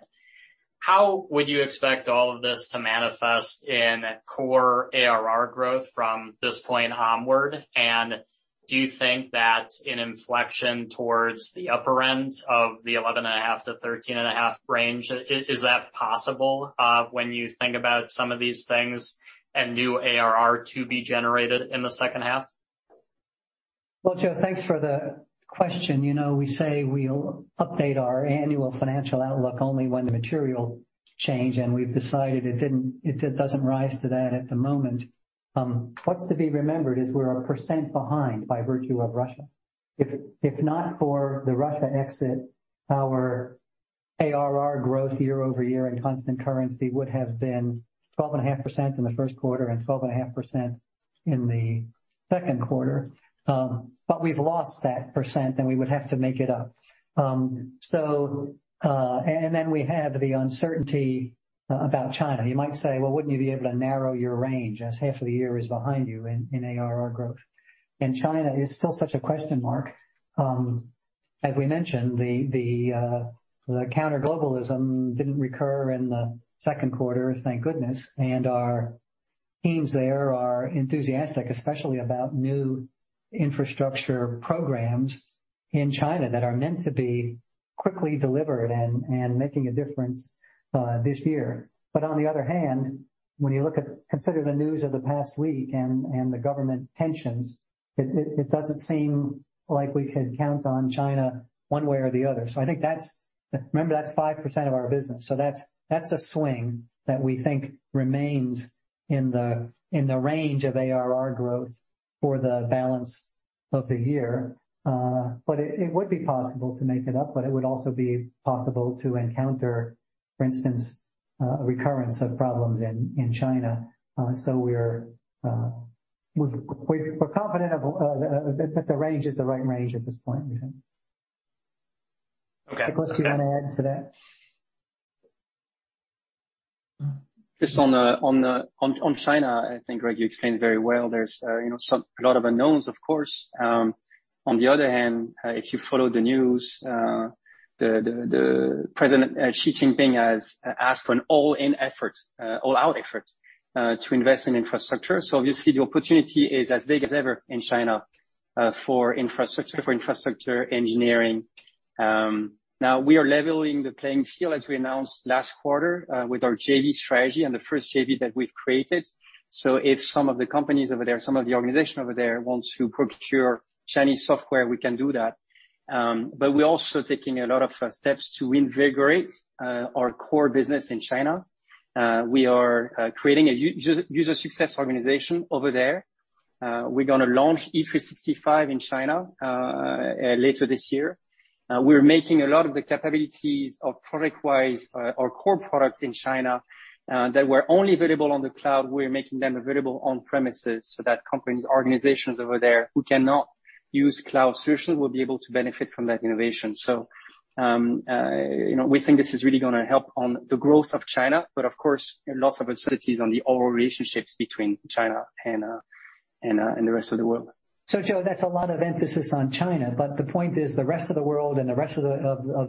How would you expect all of this to manifest in core ARR growth from this point onward? And do you think that an inflection towards the upper end of the 11.5%-13.5% range, is that possible, when you think about some of these things and new ARR to be generated in the second half? Well, Joe, thanks for the question. You know, we say we'll update our annual financial outlook only when the material change, and we've decided it didn't, it doesn't rise to that at the moment. What's to be remembered is we're 1% behind by virtue of Russia. If not for the Russia exit, our ARR growth year-over-year in constant currency would have been 12.5% in the first quarter and 12.5% in the second quarter. But we've lost that 1%, and we would have to make it up. And then we have the uncertainty about China. You might say, "Well, wouldn't you be able to narrow your range as half of the year is behind you in ARR growth?" China is still such a question mark. As we mentioned, the counter-globalism didn't recur in the second quarter, thank goodness. Our teams there are enthusiastic, especially about new infrastructure programs in China that are meant to be quickly delivered and making a difference this year. On the other hand, consider the news of the past week and the government tensions. It doesn't seem like we could count on China one way or the other. I think that's. Remember, that's 5% of our business. That's a swing that we think remains in the range of ARR growth for the balance of the year. It would be possible to make it up, but it would also be possible to encounter, for instance, a recurrence of problems in China. We're confident of that the range is the right range at this point. Okay. Nicholas, do you wanna add to that? Just on China, I think, Greg, you explained very well. There's you know a lot of unknowns, of course. On the other hand, if you follow the news, the President Xi Jinping has asked for an all-in effort, all-out effort, to invest in infrastructure. Obviously, the opportunity is as big as ever in China, for infrastructure engineering. Now we are leveling the playing field, as we announced last quarter, with our JV strategy and the first JV that we've created. If some of the companies over there, some of the organizations over there want to procure Chinese software, we can do that. We're also taking a lot of steps to invigorate our core business in China. We are creating a user success organization over there. We're gonna launch E365 in China later this year. We're making a lot of the capabilities of ProjectWise, our core products in China, that were only available on the cloud, we're making them available on premises so that companies, organizations over there who cannot use cloud solutions will be able to benefit from that innovation. You know, we think this is really gonna help on the growth of China, but of course, lots of uncertainties on the overall relationships between China and the rest of the world. Joe, that's a lot of emphasis on China, but the point is the rest of the world and the rest of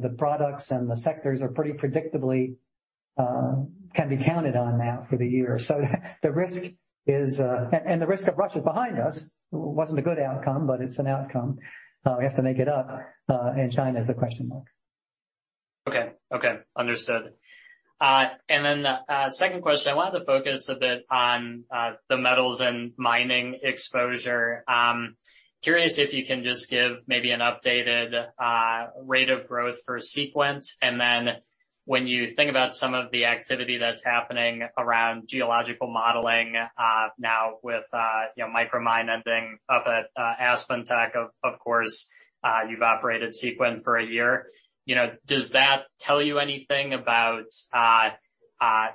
the products and the sectors are pretty predictably can be counted on now for the year. The risk is, and the risk of Russia is behind us. Wasn't a good outcome, but it's an outcome. We have to make it up, and China is the question mark. Okay. Okay. Understood. Second question, I wanted to focus a bit on the metals and mining exposure. Curious if you can just give maybe an updated rate of growth for Seequent. When you think about some of the activity that's happening around geological modeling, now with, you know, Micromine ending up at AspenTech, of course, you've operated Seequent for a year. You know, does that tell you anything about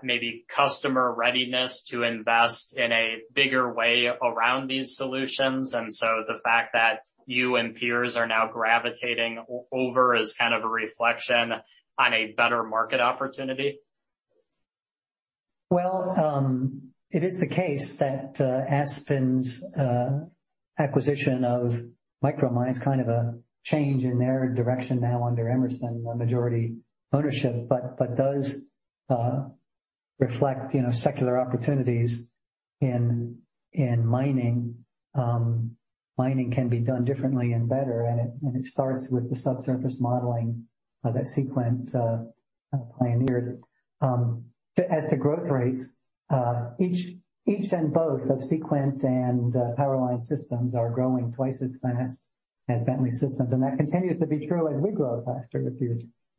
maybe customer readiness to invest in a bigger way around these solutions? The fact that you and peers are now gravitating over is kind of a reflection on a better market opportunity. It is the case that Aspen's acquisition of Micromine is kind of a change in their direction now under Emerson, the majority ownership. Does reflect, you know, secular opportunities in mining. Mining can be done differently and better, and it starts with the subsurface modeling that Seequent pioneered. As to growth rates, each and both of Seequent and Power Line Systems are growing twice as fast as Bentley Systems. That continues to be true as we grow faster,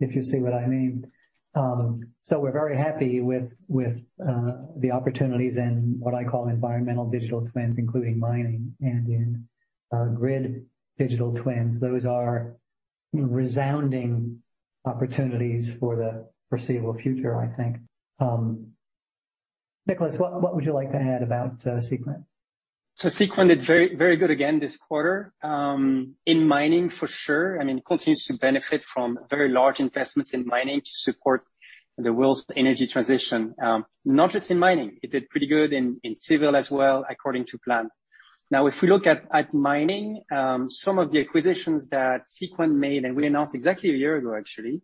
if you see what I mean. We're very happy with the opportunities in what I call environmental digital twins, including mining and in our grid digital twins. Those are resounding opportunities for the foreseeable future, I think. Nicholas, what would you like to add about Seequent? Seequent did very, very good again this quarter, in mining for sure. I mean, it continues to benefit from very large investments in mining to support the world's energy transition. Not just in mining. It did pretty good in civil as well, according to plan. Now, if we look at mining, some of the acquisitions that Seequent made, and we announced exactly a year ago, actually,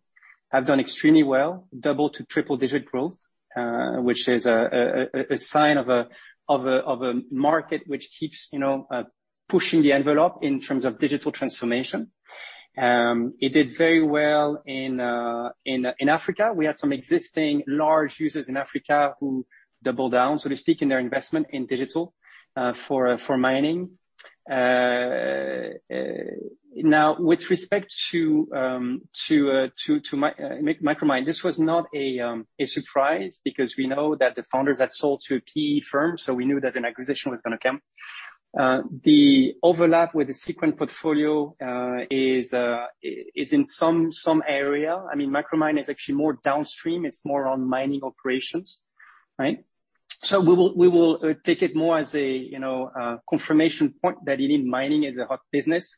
have done extremely well, double- to triple-digit growth, which is a sign of a market which keeps, you know, pushing the envelope in terms of digital transformation. It did very well in Africa. We had some existing large users in Africa who doubled down, so to speak, in their investment in digital, for mining. Now, with respect to Micromine, this was not a surprise because we know that the founders had sold to a PE firm, so we knew that an acquisition was gonna come. The overlap with the Seequent portfolio is in some area. I mean, Micromine is actually more downstream. It's more on mining operations, right? So we will take it more as a, you know, a confirmation point that indeed mining is a hot business,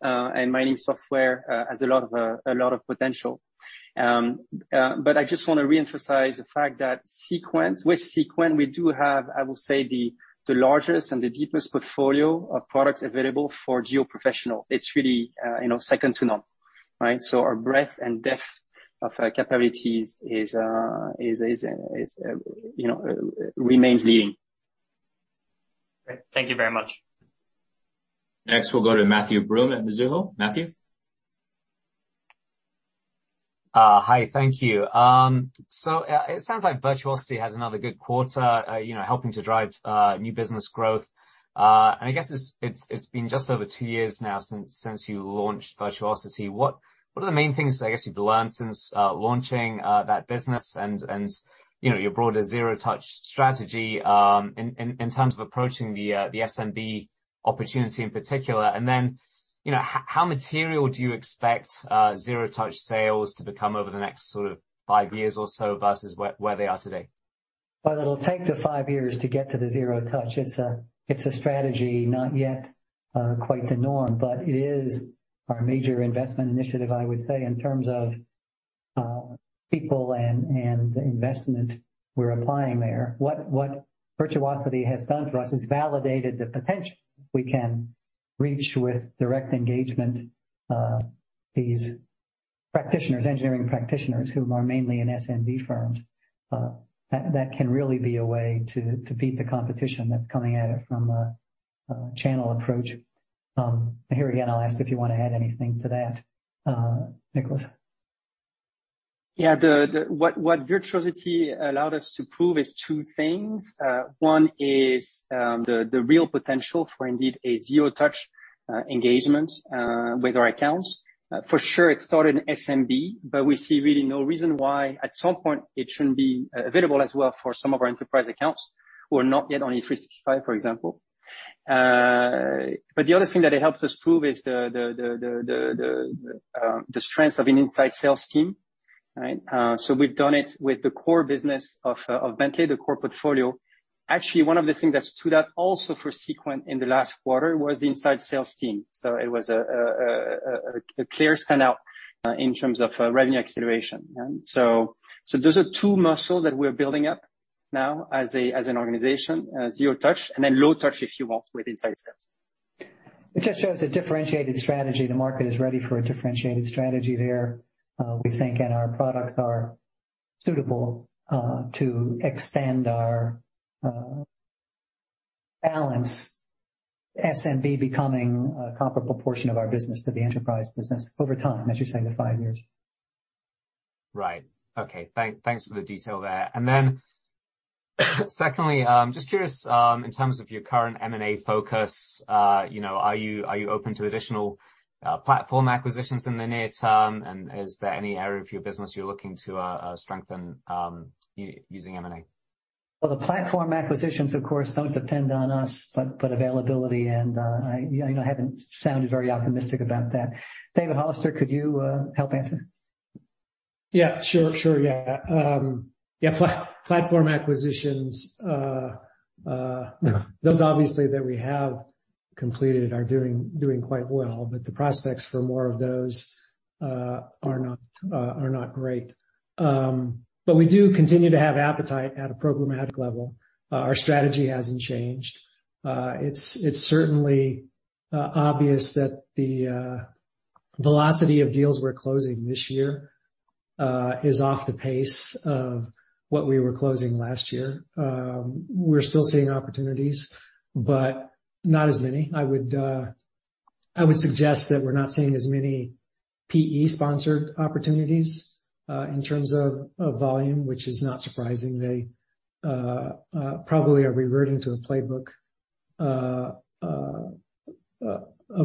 and mining software has a lot of potential. But I just wanna re-emphasize the fact that Seequent, with Seequent, we do have, I will say, the largest and the deepest portfolio of products available for geo professionals. It's really, you know, second to none, right? Our breadth and depth of capabilities is, you know, remains leading. Great. Thank you very much. Next, we'll go to Matthew Broome at Mizuho. Matthew? Hi. Thank you. It sounds like Virtuosity has another good quarter, you know, helping to drive new business growth. I guess it's been just over two years now since you launched Virtuosity. What are the main things, I guess, you've learned since launching that business and, you know, your broader zero touch strategy in terms of approaching the SMB opportunity in particular? Then, you know, how material do you expect zero touch sales to become over the next sort of five years or so versus where they are today? Well, it'll take the 5 years to get to the zero touch. It's a strategy not yet quite the norm, but it is our major investment initiative, I would say, in terms of people and the investment we're applying there. What Virtuosity has done for us is validated the potential we can reach with direct engagement these practitioners, engineering practitioners, who are mainly in SMB firms. That can really be a way to beat the competition that's coming at it from a channel approach. Here again, I'll ask if you wanna add anything to that, Nicholas. What Virtuosity allowed us to prove is two things. One is the real potential for indeed a zero touch engagement with our accounts. For sure it started in SMB, but we see really no reason why at some point it shouldn't be available as well for some of our enterprise accounts who are not yet on E365, for example. But the other thing that it helped us prove is the strength of an inside sales team, right? We've done it with the core business of Bentley, the core portfolio. Actually, one of the things that stood out also for Seequent in the last quarter was the inside sales team. It was a clear standout in terms of revenue acceleration. Those are two muscles that we're building up now as an organization, zero touch, and then low touch, if you will, with inside sales. It just shows a differentiated strategy. The market is ready for a differentiated strategy there, we think, and our products are suitable to extend our balance, SMB becoming a comparable portion of our business to the enterprise business over time, as you say, the five years. Right. Okay. Thanks for the detail there. Secondly, just curious, in terms of your current M&A focus, you know, are you open to additional platform acquisitions in the near term? And is there any area of your business you're looking to strengthen using M&A? Well, the platform acquisitions, of course, don't depend on us, but availability and, you know, I haven't sounded very optimistic about that. David Hollister, could you help answer? Yeah, sure, yeah. Platform acquisitions, those obviously that we have completed are doing quite well, but the prospects for more of those are not great. We do continue to have appetite at a programmatic level. Our strategy hasn't changed. It's certainly obvious that the velocity of deals we're closing this year is off the pace of what we were closing last year. We're still seeing opportunities, but not as many. I would suggest that we're not seeing as many PE-sponsored opportunities in terms of volume, which is not surprising. They probably are reverting to a playbook of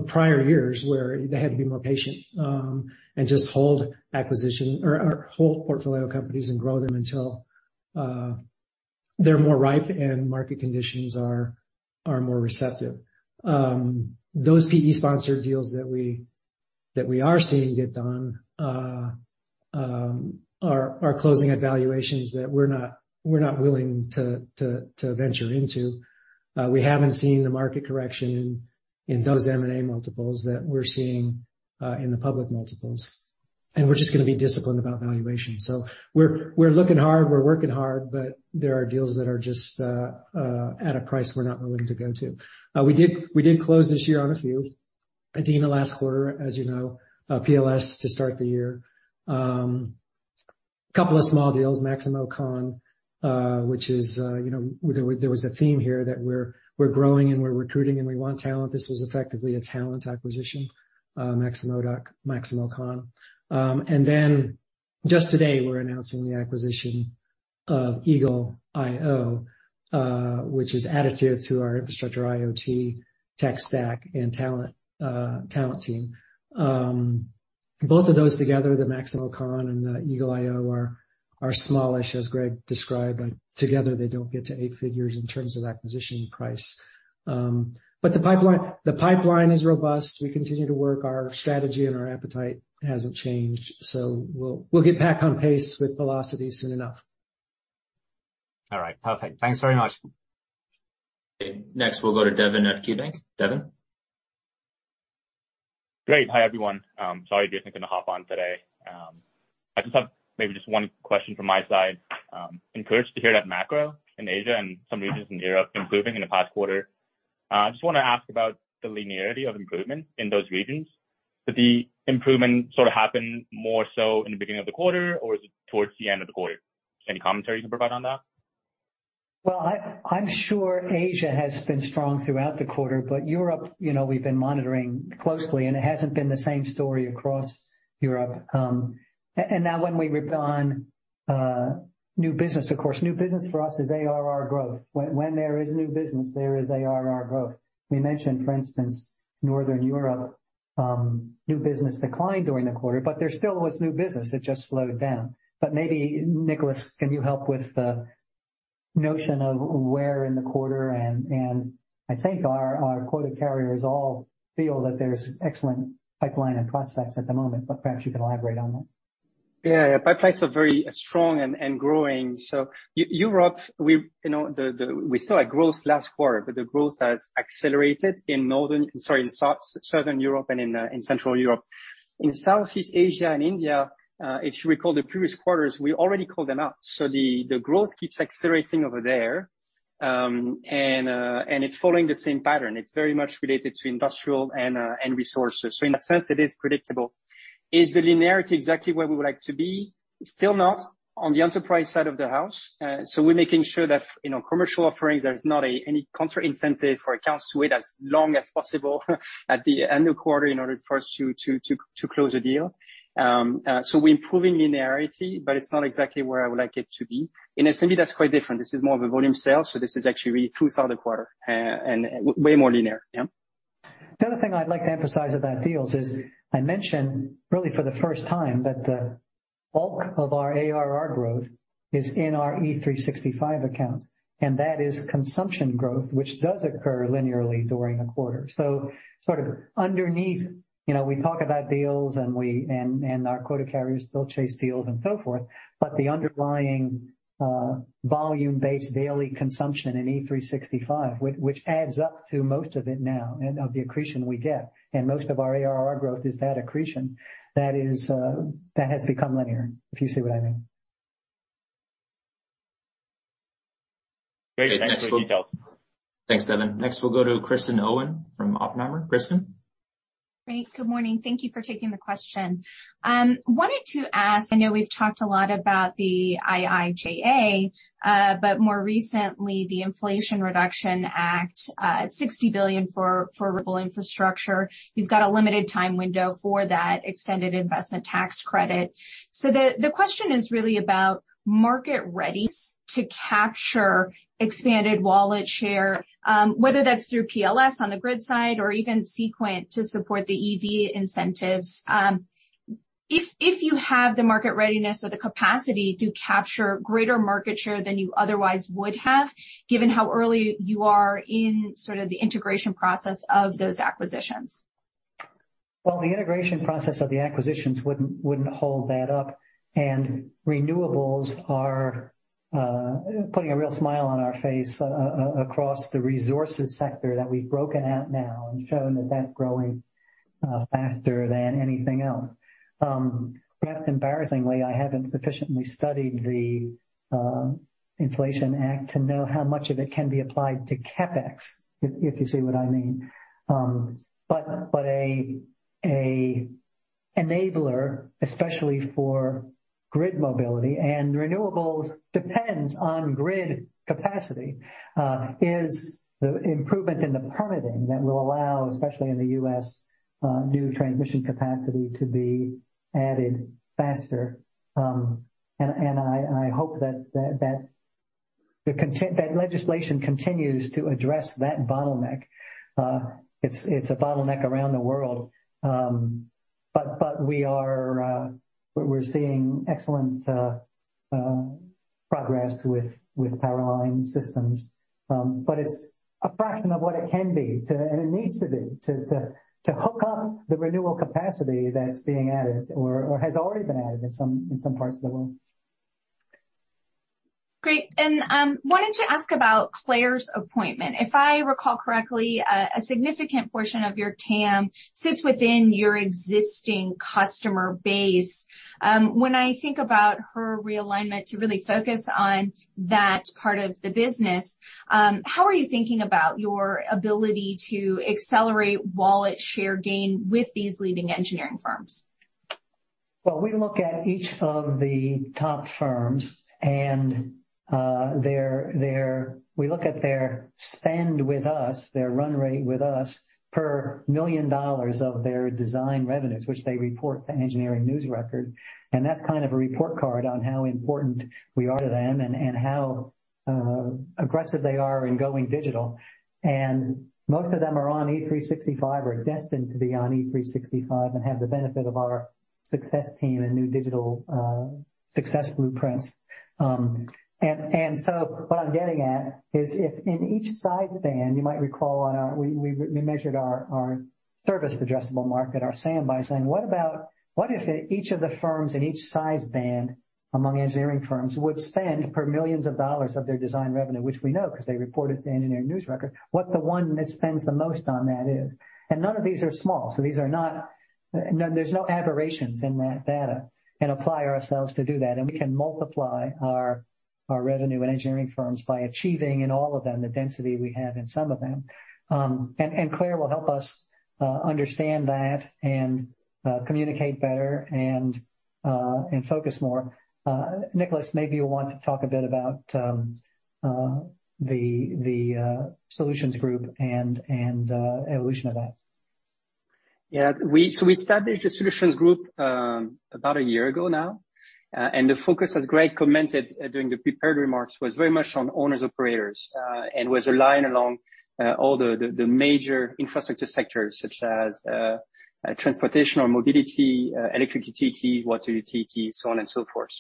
prior years, where they had to be more patient, and just hold acquisitions or hold portfolio companies and grow them until they're more ripe and market conditions are more receptive. Those PE-sponsored deals that we are seeing get done are closing at valuations that we're not willing to venture into. We haven't seen the market correction in those M&A multiples that we're seeing in the public multiples. We're just gonna be disciplined about valuation. We're looking hard, we're working hard, but there are deals that are just at a price we're not willing to go to. We did close this year on a few. ADINA last quarter, as you know, PLS to start the year. Couple of small deals, MaximoCon, which is, you know, there was a theme here that we're growing and we're recruiting, and we want talent. This was effectively a talent acquisition, MaximoCon. And then just today, we're announcing the acquisition of eagle.io, which is additive to our infrastructure IoT tech stack and talent team. Both of those together, the MaximoCon and the eagle.io are smallish, as Greg described, but together they don't get to eight figures in terms of acquisition price. The pipeline is robust. We continue to work our strategy, and our appetite hasn't changed. We'll get back on pace with velocity soon enough. All right. Perfect. Thanks very much. Next, we'll go to Devin at KeyBanc. Devin? Great. Hi, everyone. Sorry I didn't get to hop on today. I just have maybe just one question from my side. Encouraged to hear that macro in Asia and some regions in Europe improving in the past quarter. Just wanna ask about the linearity of improvement in those regions. Did the improvement sort of happen more so in the beginning of the quarter or is it towards the end of the quarter? Any commentary you can provide on that? I'm sure Asia has been strong throughout the quarter, but Europe, you know, we've been monitoring closely, and it hasn't been the same story across Europe. And now when we report on new business, of course, new business for us is ARR growth. When there is new business, there is ARR growth. We mentioned, for instance, Northern Europe, new business declined during the quarter, but there still was new business. It just slowed down. Maybe, Nicholas, can you help with the notion of where in the quarter and I think our quota carriers all feel that there's excellent pipeline and prospects at the moment, but perhaps you can elaborate on that. Yeah. Pipelines are very strong and growing. In Europe, we saw a growth last quarter, but the growth has accelerated in Southern Europe and in Central Europe. In Southeast Asia and India, if you recall the previous quarters, we already called them out. The growth keeps accelerating over there, and it's following the same pattern. It's very much related to industrial and resources. In that sense, it is predictable. Is the linearity exactly where we would like to be? Still not on the enterprise side of the house. We're making sure that you know, commercial offerings, there's not any counter incentive for accounts to wait as long as possible at the end of quarter in order for us to close a deal. We're improving linearity, but it's not exactly where I would like it to be. In SMB that's quite different. This is more of a volume sale, so this is actually really through the quarter, and way more linear. Yeah. The other thing I'd like to emphasize about deals is I mentioned really for the first time that the bulk of our ARR growth is in our E365 accounts, and that is consumption growth, which does occur linearly during a quarter. Sort of underneath, you know, we talk about deals and our quota carriers still chase deals and so forth, but the underlying volume-based daily consumption in E365, which adds up to most of it now and of the accretion we get, and most of our ARR growth is that accretion. That is, that has become linear, if you see what I mean. Great. Thanks for the details. Thanks, Devin. Next, we'll go to Kristen Owen from Oppenheimer. Kristen? Great. Good morning. Thank you for taking the question. Wanted to ask, I know we've talked a lot about the IIJA, but more recently, the Inflation Reduction Act, $60 billion for renewable infrastructure. You've got a limited time window for that extended investment tax credit. The question is really about market readiness to capture expanded wallet share, whether that's through PLS on the grid side or even Seequent to support the EV incentives. If you have the market readiness or the capacity to capture greater market share than you otherwise would have, given how early you are in sort of the integration process of those acquisitions. Well, the integration process of the acquisitions wouldn't hold that up. Renewables are putting a real smile on our face across the resources sector that we've broken out now and shown that that's growing faster than anything else. Perhaps embarrassingly, I haven't sufficiently studied the Inflation Reduction Act to know how much of it can be applied to CapEx, if you see what I mean. An enabler, especially for grid mobility and renewables depends on grid capacity, is the improvement in the permitting that will allow, especially in the U.S., new transmission capacity to be added faster. I hope that legislation continues to address that bottleneck. It's a bottleneck around the world. We're seeing excellent progress with Power Line Systems. It's a fraction of what it can be too, and it needs to be too, to hook up the renewable capacity that's being added or has already been added in some parts of the world. Great. Wanted to ask about Claire's appointment. If I recall correctly, a significant portion of your TAM sits within your existing customer base. When I think about her realignment to really focus on that part of the business, how are you thinking about your ability to accelerate wallet share gain with these leading engineering firms? Well, we look at each of the top firms and their spend with us, their run rate with us per $1 million of their design revenues, which they report to Engineering News-Record. That's kind of a report card on how important we are to them and how aggressive they are in going digital. Most of them are on E365, are destined to be on E365, and have the benefit of our success team and new digital success blueprints. So what I'm getting at is if in each size band, you might recall, we measured our service addressable market, our SAM, by saying, what if each of the firms in each size band among engineering firms would spend per millions of dollars of their design revenue, which we know because they report it to Engineering News-Record, what the one that spends the most on that is. Apply ourselves to do that. We can multiply our revenue in engineering firms by achieving in all of them the density we have in some of them. Claire will help us understand that and communicate better and focus more. Nicholas, maybe you'll want to talk a bit about the solutions group and evolution of that. We started the solutions group about a year ago now. The focus, as Greg commented during the prepared remarks, was very much on owners, operators, and was aligned along all the major infrastructure sectors such as transportation or mobility, electric utilities, water utilities, so on and so forth.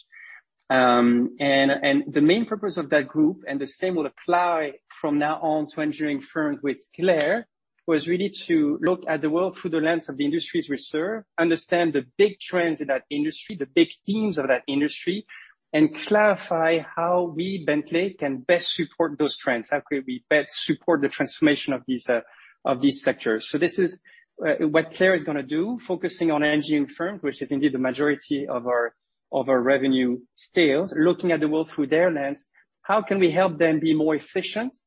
The main purpose of that group, and the same will apply from now on to engineering firms with Claire, was really to look at the world through the lens of the industries we serve, understand the big trends in that industry, the big themes of that industry, and clarify how we, Bentley, can best support those trends. How can we best support the transformation of these sectors? This is what Claire is gonna do, focusing on engineering firms, which is indeed the majority of our revenue sales. Looking at the world through their lens, how can we help them be more efficient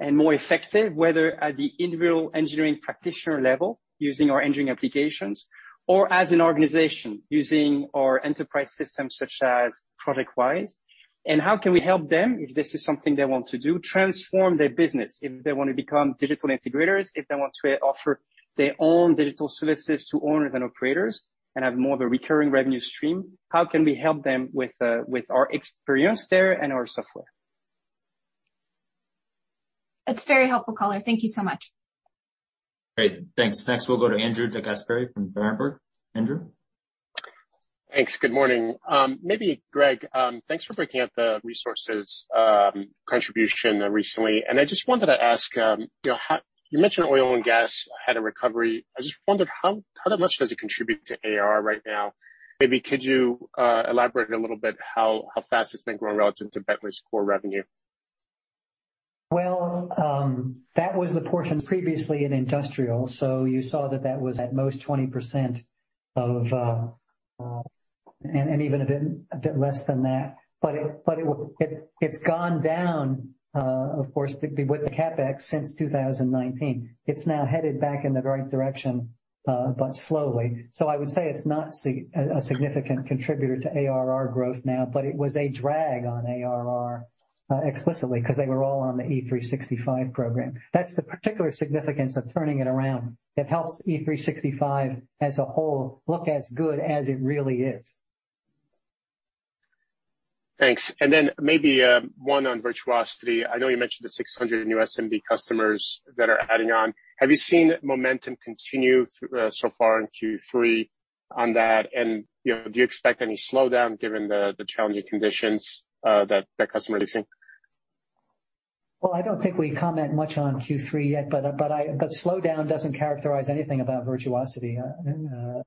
and more effective, whether at the individual engineering practitioner level, using our engineering applications, or as an organization, using our enterprise systems such as ProjectWise? How can we help them, if this is something they want to do, transform their business? If they want to become digital integrators, if they want to offer their own digital services to owners and operators and have more of a recurring revenue stream, how can we help them with our experience there and our software? That's very helpful, caller. Thank you so much. Great. Thanks. Next, we'll go to Andrew DeGasperi from Berenberg. Andrew? Thanks. Good morning. Maybe Greg, thanks for breaking out the resources contribution recently. I just wanted to ask, you know, you mentioned oil and gas had a recovery. I just wondered how much does it contribute to AR right now? Maybe could you elaborate a little bit how fast it's been growing relative to Bentley's core revenue? Well, that was the portion previously in industrial. You saw that was at most 20% of. Even a bit less than that. It's gone down, of course, with the CapEx since 2019. It's now headed back in the right direction, but slowly. I would say it's not a significant contributor to ARR growth now, but it was a drag on ARR, explicitly because they were all on the E365 program. That's the particular significance of turning it around. It helps E365 as a whole look as good as it really is. Thanks. Maybe one on Virtuosity. I know you mentioned the 600 new SMB customers that are adding on. Have you seen momentum continue so far in Q3 on that? You know, do you expect any slowdown given the challenging conditions that customers are seeing? Well, I don't think we comment much on Q3 yet. Slowdown doesn't characterize anything about Virtuosity. I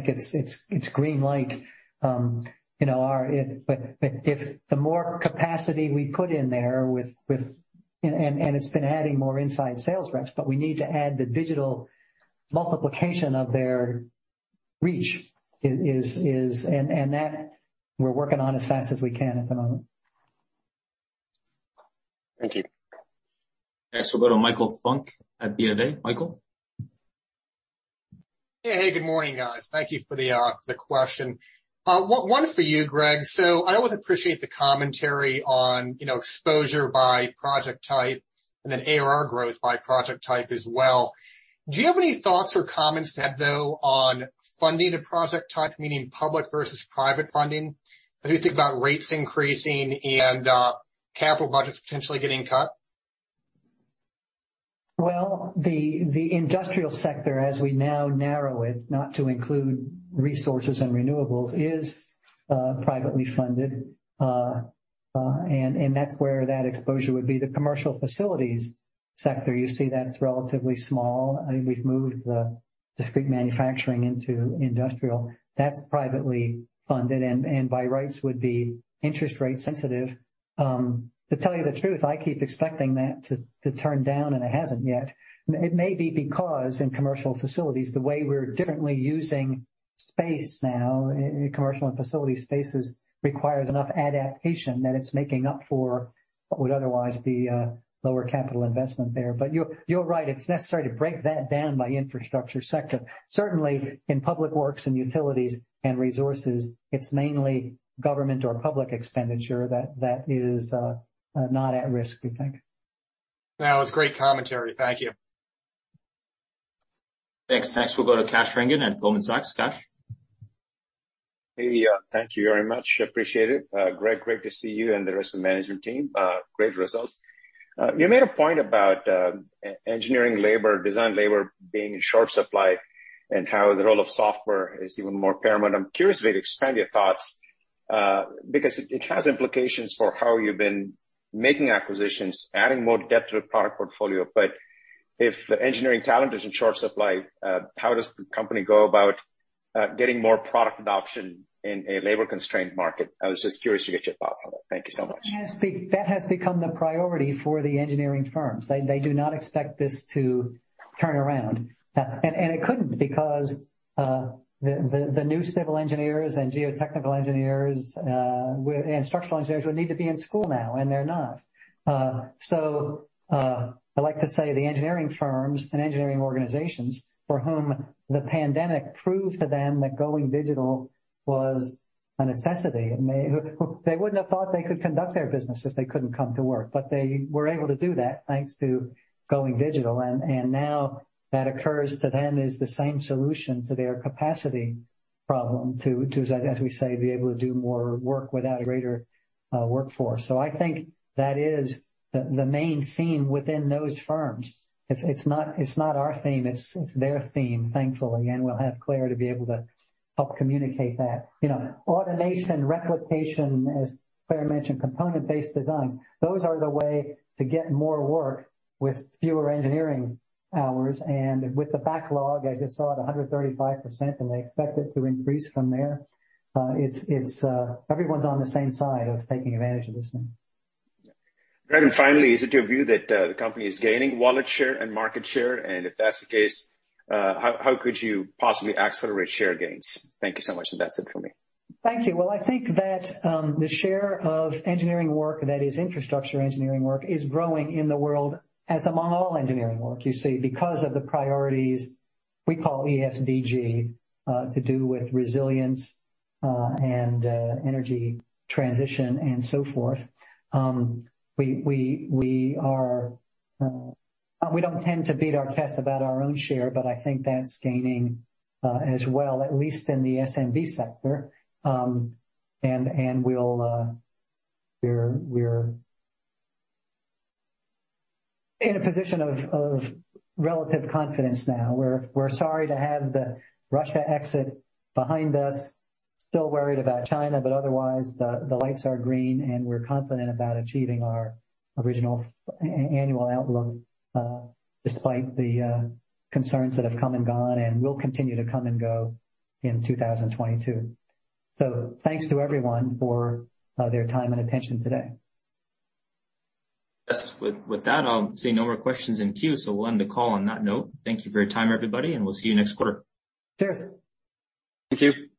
think it's green light. You know, if the more capacity we put in there. It's been adding more inside sales reps, but we need to add the digital multiplication of their reach that we're working on as fast as we can at the moment. Thank you. Next, we'll go to Michael Funk at BofA. Michael? Yeah. Hey, good morning, guys. Thank you for the question. One for you, Greg. I always appreciate the commentary on, you know, exposure by project type and then ARR growth by project type as well. Do you have any thoughts or comments to add, though, on funding the project type, meaning public versus private funding, as we think about rates increasing and capital budgets potentially getting cut? Well, the industrial sector, as we now narrow it, not to include resources and renewables, is privately funded. That's where that exposure would be. The commercial facilities sector, you see that's relatively small. I mean, we've moved the discrete manufacturing into industrial. That's privately funded, and by rights would be interest rate sensitive. To tell you the truth, I keep expecting that to turn down, and it hasn't yet. It may be because in commercial facilities, the way we're differently using space now in commercial and facility spaces requires enough adaptation that it's making up for what would otherwise be lower capital investment there. But you're right, it's necessary to break that down by infrastructure sector. Certainly, in public works and utilities and resources, it's mainly government or public expenditure that is not at risk, we think. That was great commentary. Thank you. Thanks. Next, we'll go to Kash Rangan at Goldman Sachs. Kash? Hey, thank you very much. Appreciate it. Greg, great to see you and the rest of the management team. Great results. You made a point about engineering labor, design labor being in short supply and how the role of software is even more paramount. I'm curious for you to expand your thoughts. Because it has implications for how you've been making acquisitions, adding more depth to the product portfolio. If engineering talent is in short supply, how does the company go about getting more product adoption in a labor-constrained market? I was just curious to get your thoughts on it. Thank you so much. That has become the priority for the engineering firms. They do not expect this to turn around. It couldn't because the new civil engineers and geotechnical engineers and structural engineers would need to be in school now, and they're not. I like to say the engineering firms and engineering organizations for whom the pandemic proved to them that going digital was a necessity, and they wouldn't have thought they could conduct their business if they couldn't come to work. They were able to do that thanks to going digital. Now that occurs to them is the same solution to their capacity problem to as we say be able to do more work without a greater workforce. I think that is the main theme within those firms. It's not our theme, it's their theme, thankfully, and we'll have Claire to be able to help communicate that. You know, automation, replication, as Claire mentioned, component-based designs, those are the way to get more work with fewer engineering hours. With the backlog, I just saw it at 135%, and they expect it to increase from there. Everyone's on the same side of taking advantage of this thing. Yeah. Greg, and finally, is it your view that the company is gaining wallet share and market share? If that's the case, how could you possibly accelerate share gains? Thank you so much, and that's it for me. Thank you. Well, I think that the share of engineering work, that is infrastructure engineering work, is growing in the world as among all engineering work, you see, because of the priorities we call ESG, to do with resilience, and energy transition and so forth. We don't tend to beat our chest about our own share, but I think that's gaining as well, at least in the SMB sector. We're in a position of relative confidence now. We're sorry to have the Russia exit behind us, still worried about China, but otherwise the lights are green, and we're confident about achieving our original annual outlook, despite the concerns that have come and gone and will continue to come and go in 2022. Thanks to everyone for their time and attention today. Yes. With that, I'll see no more questions in queue, so we'll end the call on that note. Thank you for your time, everybody, and we'll see you next quarter. Cheers. Thank you. Yep.